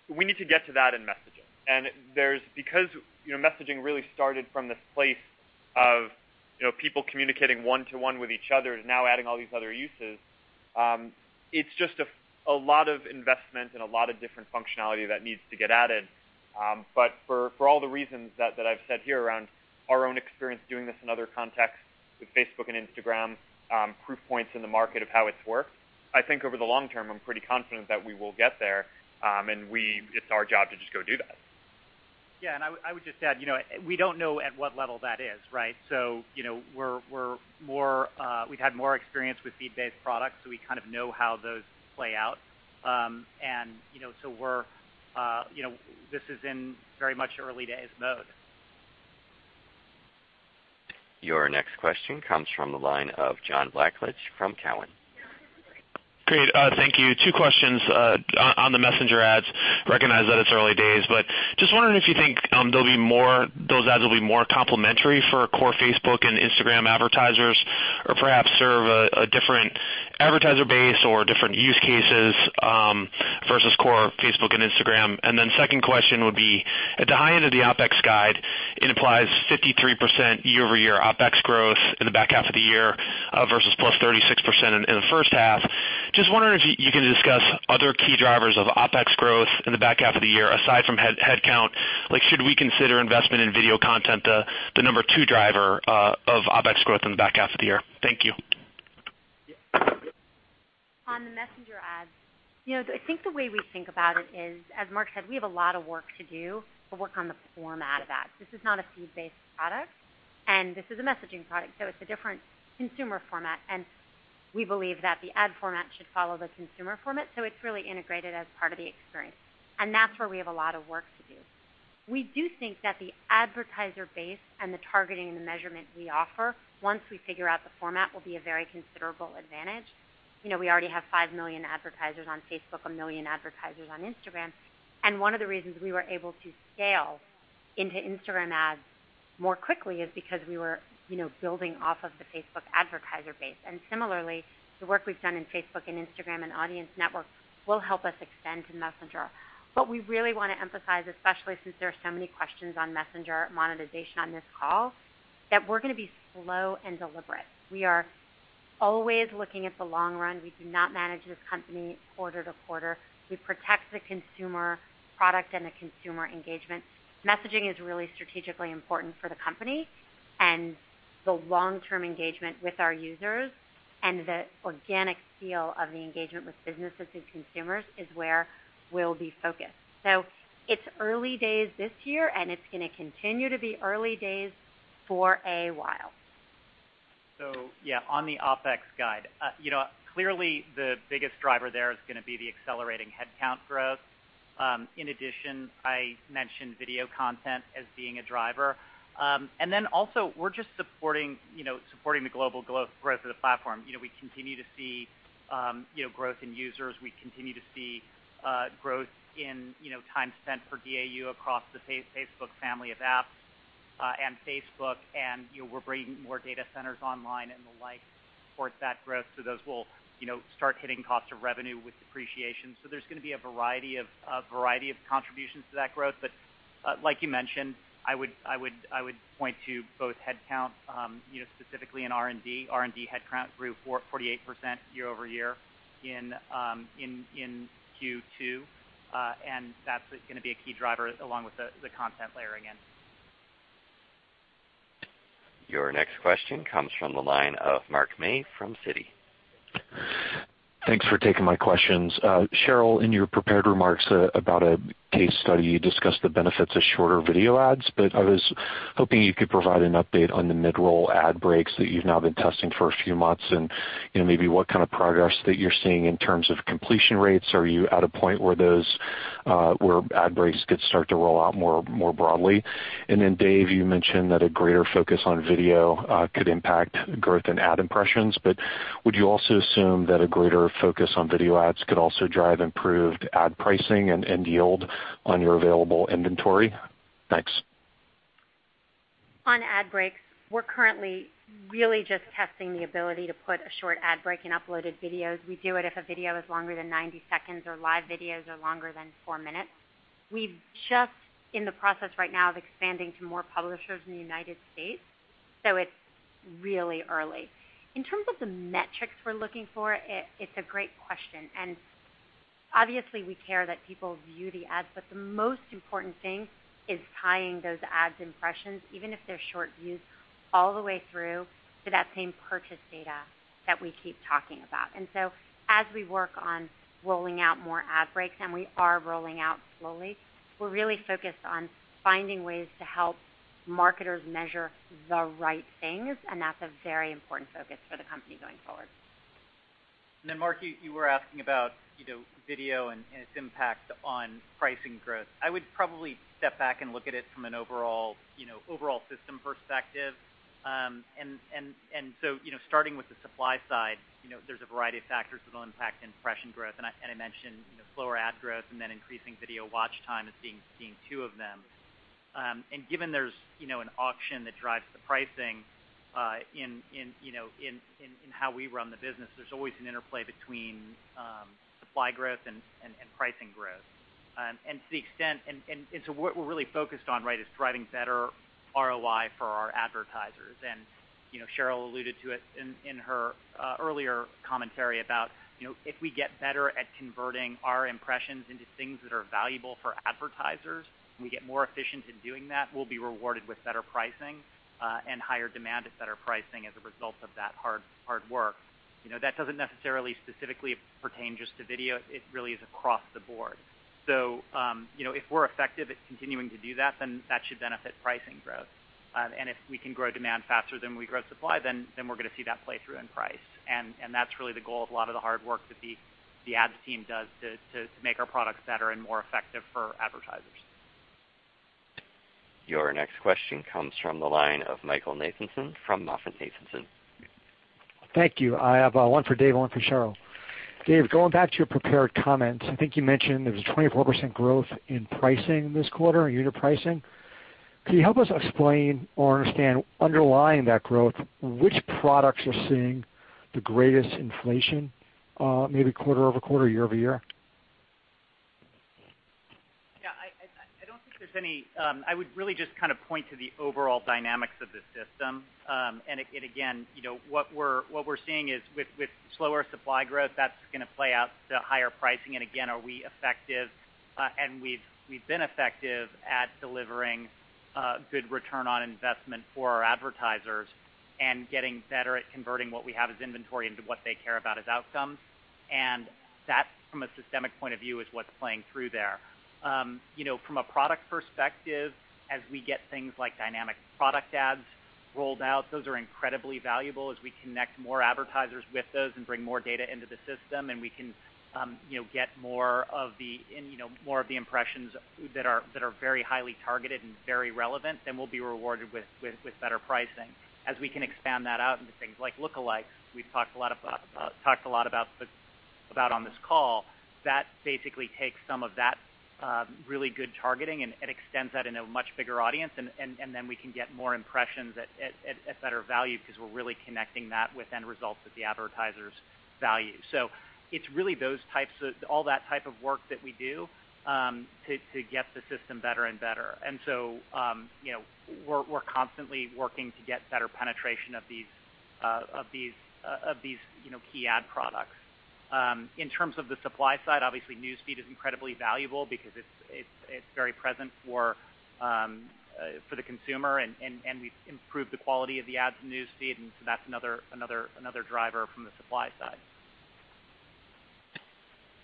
We need to get to that in messaging. Because messaging really started from this place of people communicating one-to-one with each other and now adding all these other uses, it's just a lot of investment and a lot of different functionality that needs to get added. For all the reasons that I've said here around our own experience doing this in other contexts with Facebook and Instagram, proof points in the market of how it's worked, I think over the long term, I'm pretty confident that we will get there. It's our job to just go do that. I would just add, we don't know at what level that is, right? We've had more experience with feed-based products, so we kind of know how those play out. This is in very much early days mode. Your next question comes from the line of John Blackledge from Cowen. Great. Thank you. Two questions. On the Messenger ads, recognize that it's early days, but just wondering if you think those ads will be more complementary for core Facebook and Instagram advertisers or perhaps serve a different advertiser base or different use cases versus core Facebook and Instagram. Second question would be, at the high end of the OpEx guide, it implies 53% year-over-year OpEx growth in the back half of the year versus +36% in the first half. Just wondering if you can discuss other key drivers of OpEx growth in the back half of the year aside from headcount. Should we consider investment in video content the number 2 driver of OpEx growth in the back half of the year? Thank you. On the Messenger ads, I think the way we think about it is, as Mark said, we have a lot of work to do to work on the format of ads. This is not a feed-based product. This is a messaging product, so it's a different consumer format. We believe that the ad format should follow the consumer format, so it's really integrated as part of the experience. That's where we have a lot of work to do. We do think that the advertiser base and the targeting and the measurement we offer, once we figure out the format, will be a very considerable advantage. We already have 5 million advertisers on Facebook, 1 million advertisers on Instagram. One of the reasons we were able to scale into Instagram ads more quickly is because we were building off of the Facebook advertiser base. Similarly, the work we've done in Facebook and Instagram and Audience Network will help us extend to Messenger. What we really want to emphasize, especially since there are so many questions on Messenger monetization on this call, that we're going to be slow and deliberate. We are always looking at the long run. We do not manage this company quarter to quarter. We protect the consumer product and the consumer engagement. Messaging is really strategically important for the company. The long-term engagement with our users and the organic feel of the engagement with businesses and consumers is where we'll be focused. It's early days this year, and it's going to continue to be early days for a while. Yeah, on the OpEx guide, clearly the biggest driver there is going to be the accelerating headcount growth. In addition, I mentioned video content as being a driver. Also we're just supporting the global growth of the platform. We continue to see growth in users. We continue to see growth in time spent per DAU across the Facebook family of apps and Facebook, and we're bringing more data centers online and the like to support that growth. Those will start hitting cost of revenue with depreciation. There's going to be a variety of contributions to that growth. Like you mentioned, I would point to both headcount, specifically in R&D. R&D headcount grew 48% year-over-year in Q2. That's going to be a key driver along with the content layering in. Your next question comes from the line of Mark May from Citi. Thanks for taking my questions. Sheryl, in your prepared remarks about a case study, you discussed the benefits of shorter video ads, I was hoping you could provide an update on the mid-roll ad breaks that you've now been testing for a few months and maybe what kind of progress that you're seeing in terms of completion rates. Are you at a point where ad breaks could start to roll out more broadly? Then Dave, you mentioned that a greater focus on video could impact growth in ad impressions, would you also assume that a greater focus on video ads could also drive improved ad pricing and yield on your available inventory? Thanks. On ad breaks, we're currently really just testing the ability to put a short ad break in uploaded videos. We do it if a video is longer than 90 seconds or live videos are longer than four minutes. We're just in the process right now of expanding to more publishers in the United States, it's really early. In terms of the metrics we're looking for, it's a great question, obviously we care that people view the ads, the most important thing is tying those ads impressions, even if they're short views, all the way through to that same purchase data that we keep talking about. As we work on rolling out more ad breaks, we are rolling out slowly, we're really focused on finding ways to help marketers measure the right things, that's a very important focus for the company going forward. Mark, you were asking about video and its impact on pricing growth. I would probably step back and look at it from an overall system perspective. Starting with the supply side, there's a variety of factors that will impact impression growth. I mentioned slower ad growth and then increasing video watch time as being two of them. Given there's an auction that drives the pricing in how we run the business, there's always an interplay between supply growth and pricing growth. What we're really focused on is driving better ROI for our advertisers. Sheryl alluded to it in her earlier commentary about if we get better at converting our impressions into things that are valuable for advertisers, and we get more efficient in doing that, we'll be rewarded with better pricing, and higher demand is better pricing as a result of that hard work. That doesn't necessarily specifically pertain just to video. It really is across the board. If we're effective at continuing to do that, then that should benefit pricing growth. If we can grow demand faster than we grow supply, then we're going to see that play through in price. That's really the goal of a lot of the hard work that the ads team does to make our products better and more effective for advertisers. Your next question comes from the line of Michael Nathanson from MoffettNathanson. Thank you. I have one for Dave and one for Sheryl. Dave, going back to your prepared comments, I think you mentioned there was a 24% growth in pricing this quarter, in unit pricing. Can you help us explain or understand underlying that growth, which products are seeing the greatest inflation, maybe quarter-over-quarter, year-over-year? Yeah, I would really just kind of point to the overall dynamics of the system. Again, what we're seeing is with slower supply growth, that's going to play out to higher pricing. Again, are we effective? We've been effective at delivering good return on investment for our advertisers and getting better at converting what we have as inventory into what they care about as outcomes. That, from a systemic point of view, is what's playing through there. From a product perspective, as we get things like Dynamic Ads rolled out, those are incredibly valuable as we connect more advertisers with those and bring more data into the system. We can get more of the impressions that are very highly targeted and very relevant, then we'll be rewarded with better pricing. As we can expand that out into things like lookalikes, we've talked a lot about on this call, that basically takes some of that really good targeting and extends that in a much bigger audience. Then we can get more impressions at better value because we're really connecting that with end results that the advertisers value. It's really all that type of work that we do to get the system better and better. We're constantly working to get better penetration of these key ad products. In terms of the supply side, obviously News Feed is incredibly valuable because it's very present for the consumer. We've improved the quality of the ads in News Feed, that's another driver from the supply side.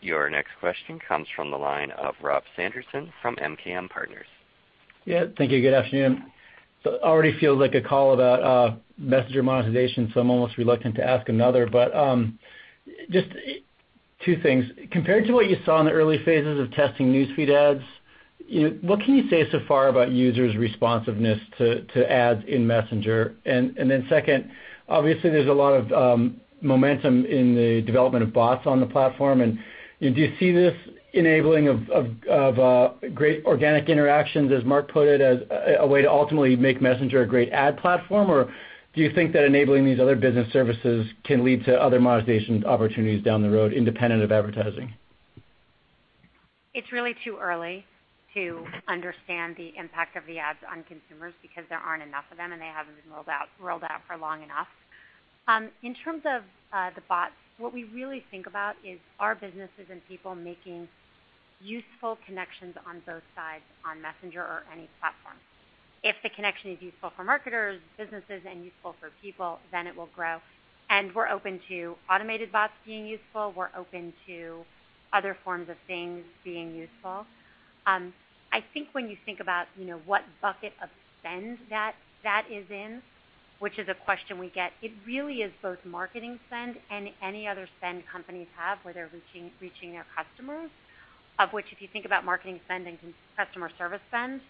Your next question comes from the line of Rob Sanderson from MKM Partners. Yeah, thank you. Good afternoon. Already feels like a call about Messenger monetization, so I'm almost reluctant to ask another, but just two things. Compared to what you saw in the early phases of testing News Feed ads, what can you say so far about users' responsiveness to ads in Messenger? Then second, obviously there's a lot of momentum in the development of bots on the platform. Do you see this enabling of great organic interactions, as Mark put it, as a way to ultimately make Messenger a great ad platform? Do you think that enabling these other business services can lead to other monetization opportunities down the road independent of advertising? It's really too early to understand the impact of the ads on consumers because there aren't enough of them, and they haven't been rolled out for long enough. In terms of the bots, what we really think about is are businesses and people making useful connections on both sides on Messenger or any platform. If the connection is useful for marketers, businesses, and useful for people, then it will grow, and we're open to automated bots being useful. We're open to other forms of things being useful. I think when you think about what bucket of spend that is in, which is a question we get, it really is both marketing spend and any other spend companies have where they're reaching their customers. Of which, if you think about marketing spend and customer service spend,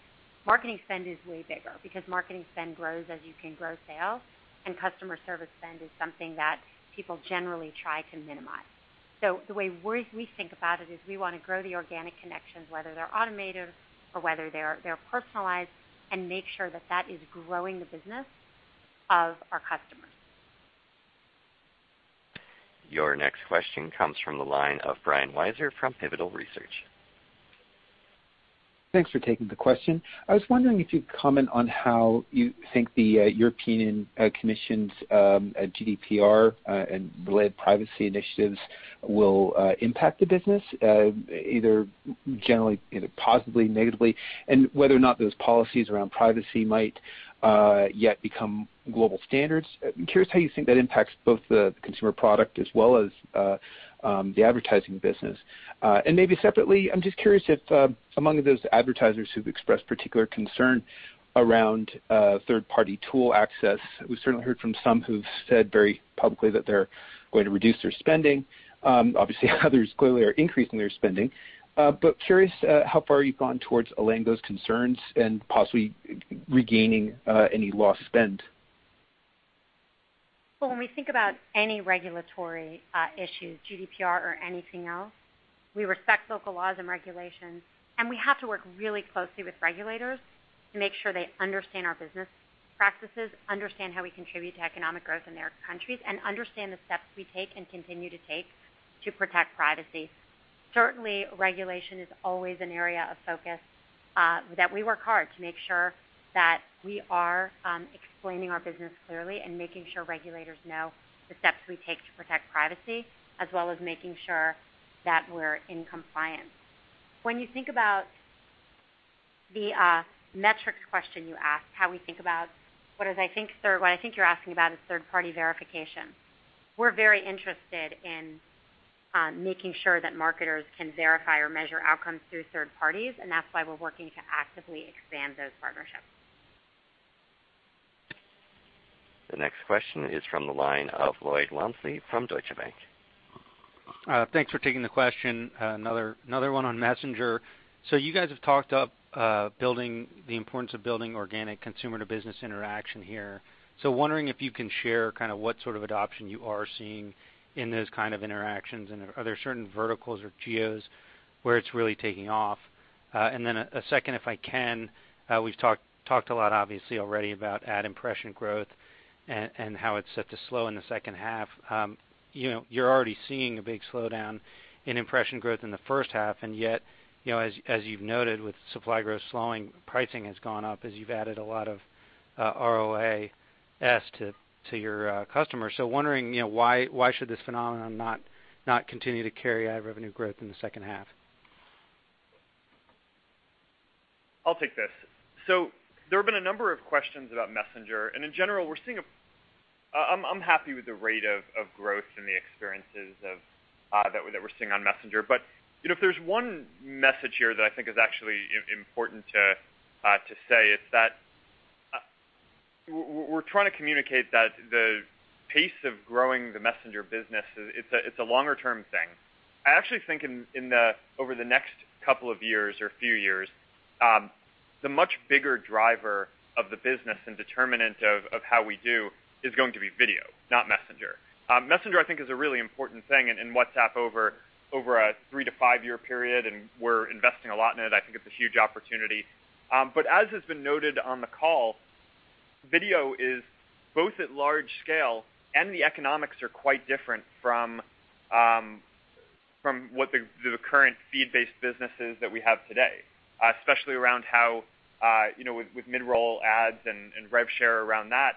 marketing spend is way bigger because marketing spend grows as you can grow sales, and customer service spend is something that people generally try to minimize. The way we think about it is we want to grow the organic connections, whether they're automated or whether they're personalized, and make sure that that is growing the business of our customers. Your next question comes from the line of Brian Wieser from Pivotal Research. Thanks for taking the question. I was wondering if you'd comment on how you think the European Commission's GDPR and related privacy initiatives will impact the business, either generally positively, negatively, and whether or not those policies around privacy might yet become global standards. I'm curious how you think that impacts both the consumer product as well as the advertising business. Maybe separately, I'm just curious if among those advertisers who've expressed particular concern around third-party tool access, we certainly heard from some who've said very publicly that they're going to reduce their spending. Obviously, others clearly are increasing their spending. Curious how far you've gone towards allaying those concerns and possibly regaining any lost spend. When we think about any regulatory issues, GDPR or anything else, we respect local laws and regulations, and we have to work really closely with regulators to make sure they understand our business practices, understand how we contribute to economic growth in their countries, and understand the steps we take and continue to take to protect privacy. Certainly, regulation is always an area of focus that we work hard to make sure that we are explaining our business clearly and making sure regulators know the steps we take to protect privacy, as well as making sure that we're in compliance. When you think about the metrics question you asked, how we think about what I think you're asking about is third-party verification. We're very interested in making sure that marketers can verify or measure outcomes through third parties. That's why we're working to actively expand those partnerships. The next question is from the line of Lloyd Walmsley from Deutsche Bank. Thanks for taking the question. Another one on Messenger. You guys have talked up the importance of building organic consumer-to-business interaction here. Wondering if you can share kind of what sort of adoption you are seeing in those kind of interactions. Are there certain verticals or geos where it's really taking off? A second, if I can, we've talked a lot obviously already about ad impression growth and how it's set to slow in the second half. You're already seeing a big slowdown in impression growth in the first half, and yet, as you've noted with supply growth slowing, pricing has gone up as you've added a lot of ROAS to your customers. Wondering why should this phenomenon not continue to carry ad revenue growth in the second half? I'll take this. There have been a number of questions about Messenger, and in general, I'm happy with the rate of growth and the experiences that we're seeing on Messenger. If there's one message here that I think is actually important to say, it's that we're trying to communicate that the pace of growing the Messenger business, it's a longer-term thing. I actually think over the next couple of years or few years, the much bigger driver of the business and determinant of how we do is going to be video, not Messenger. Messenger, I think, is a really important thing, and WhatsApp over a 3-to-5-year period. We're investing a lot in it. I think it's a huge opportunity. As has been noted on the call, video is both at large scale and the economics are quite different from the current feed-based businesses that we have today, especially around how with mid-roll ads and rev share around that,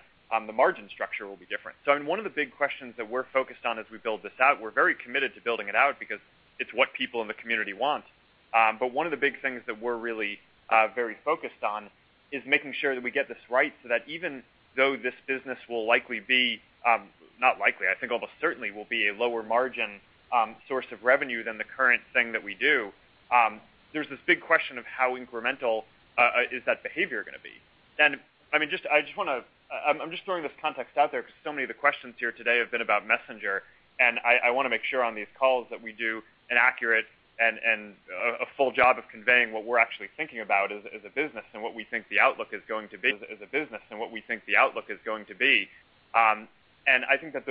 the margin structure will be different. One of the big questions that we're focused on as we build this out, we're very committed to building it out because it's what people in the community want. One of the big things that we're really very focused on is making sure that we get this right so that even though this business will likely be, I think almost certainly will be a lower margin source of revenue than the current thing that we do. There's this big question of how incremental is that behavior going to be? I'm just throwing this context out there because so many of the questions here today have been about Messenger, and I want to make sure on these calls that we do an accurate and a full job of conveying what we're actually thinking about as a business and what we think the outlook is going to be. I think that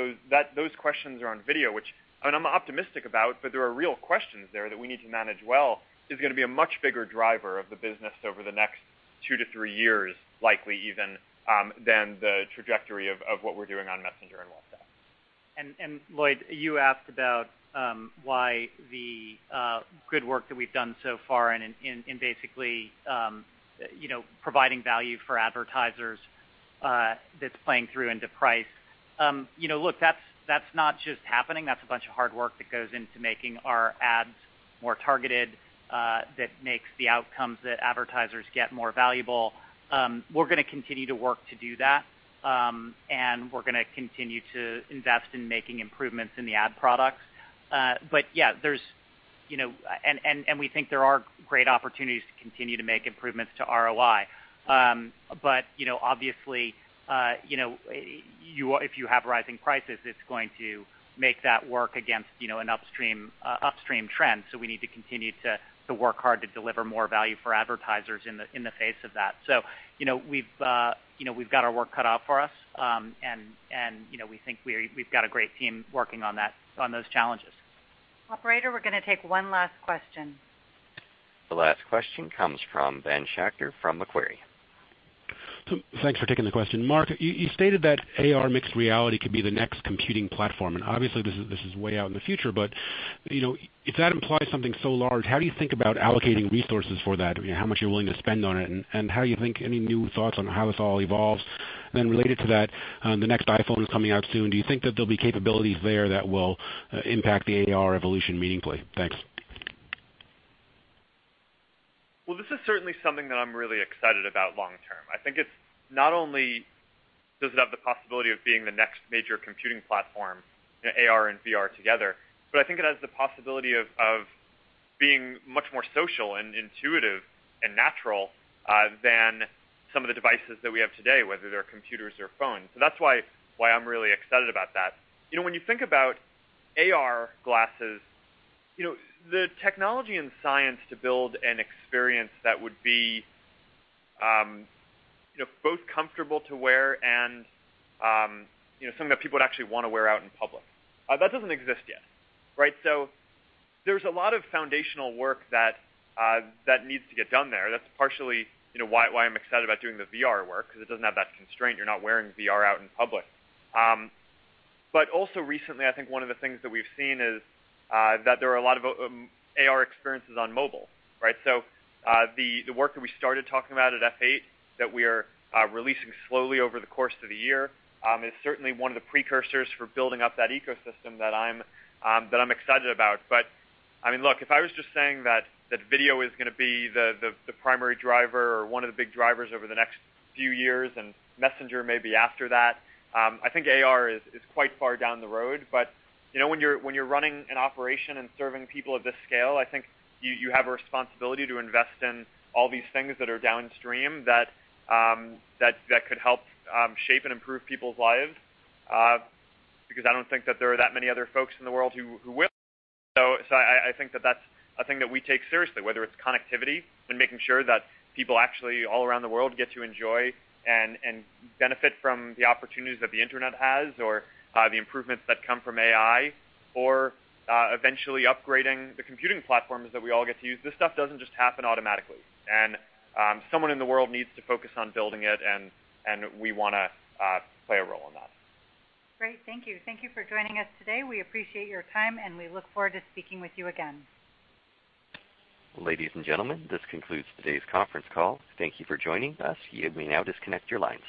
those questions are on video, which I'm optimistic about, but there are real questions there that we need to manage well, is going to be a much bigger driver of the business over the next 2 to 3 years, likely even, than the trajectory of what we're doing on Messenger and WhatsApp. Lloyd, you asked about why the good work that we've done so far in basically providing value for advertisers that's playing through into price. Look, that's not just happening. That's a bunch of hard work that goes into making our ads more targeted, that makes the outcomes that advertisers get more valuable. We're going to continue to work to do that. We're going to continue to invest in making improvements in the ad products. We think there are great opportunities to continue to make improvements to ROI. Obviously, if you have rising prices, it's going to make that work against an upstream trend. We need to continue to work hard to deliver more value for advertisers in the face of that. We've got our work cut out for us, and we think we've got a great team working on those challenges. Operator, we're going to take one last question. The last question comes from Ben Schachter from Macquarie. Thanks for taking the question. Mark, you stated that AR mixed reality could be the next computing platform, and obviously this is way out in the future, but if that implies something so large, how do you think about allocating resources for that? How much you're willing to spend on it, and how you think, any new thoughts on how this all evolves? Related to that, the next iPhone is coming out soon. Do you think that there'll be capabilities there that will impact the AR evolution meaningfully? Thanks. This is certainly something that I'm really excited about long term. I think it not only does it have the possibility of being the next major computing platform, AR and VR together, but I think it has the possibility of being much more social and intuitive and natural than some of the devices that we have today, whether they're computers or phones. That's why I'm really excited about that. When you think about AR glasses, the technology and science to build an experience that would be both comfortable to wear and something that people would actually want to wear out in public, that doesn't exist yet, right? There's a lot of foundational work that needs to get done there. That's partially why I'm excited about doing the VR work, because it doesn't have that constraint. You're not wearing VR out in public. Also recently, I think one of the things that we've seen is that there are a lot of AR experiences on mobile, right? The work that we started talking about at F8 that we are releasing slowly over the course of the year, is certainly one of the precursors for building up that ecosystem that I'm excited about. Look, if I was just saying that video is going to be the primary driver or one of the big drivers over the next few years and Messenger may be after that, I think AR is quite far down the road. When you're running an operation and serving people at this scale, I think you have a responsibility to invest in all these things that are downstream that could help shape and improve people's lives, because I don't think that there are that many other folks in the world who will. I think that's a thing that we take seriously, whether it's connectivity and making sure that people actually all around the world get to enjoy and benefit from the opportunities that the internet has, or the improvements that come from AI, or eventually upgrading the computing platforms that we all get to use. This stuff doesn't just happen automatically, and someone in the world needs to focus on building it, and we want to play a role in that. Great. Thank you. Thank you for joining us today. We appreciate your time, and we look forward to speaking with you again. Ladies and gentlemen, this concludes today's conference call. Thank you for joining us. You may now disconnect your lines.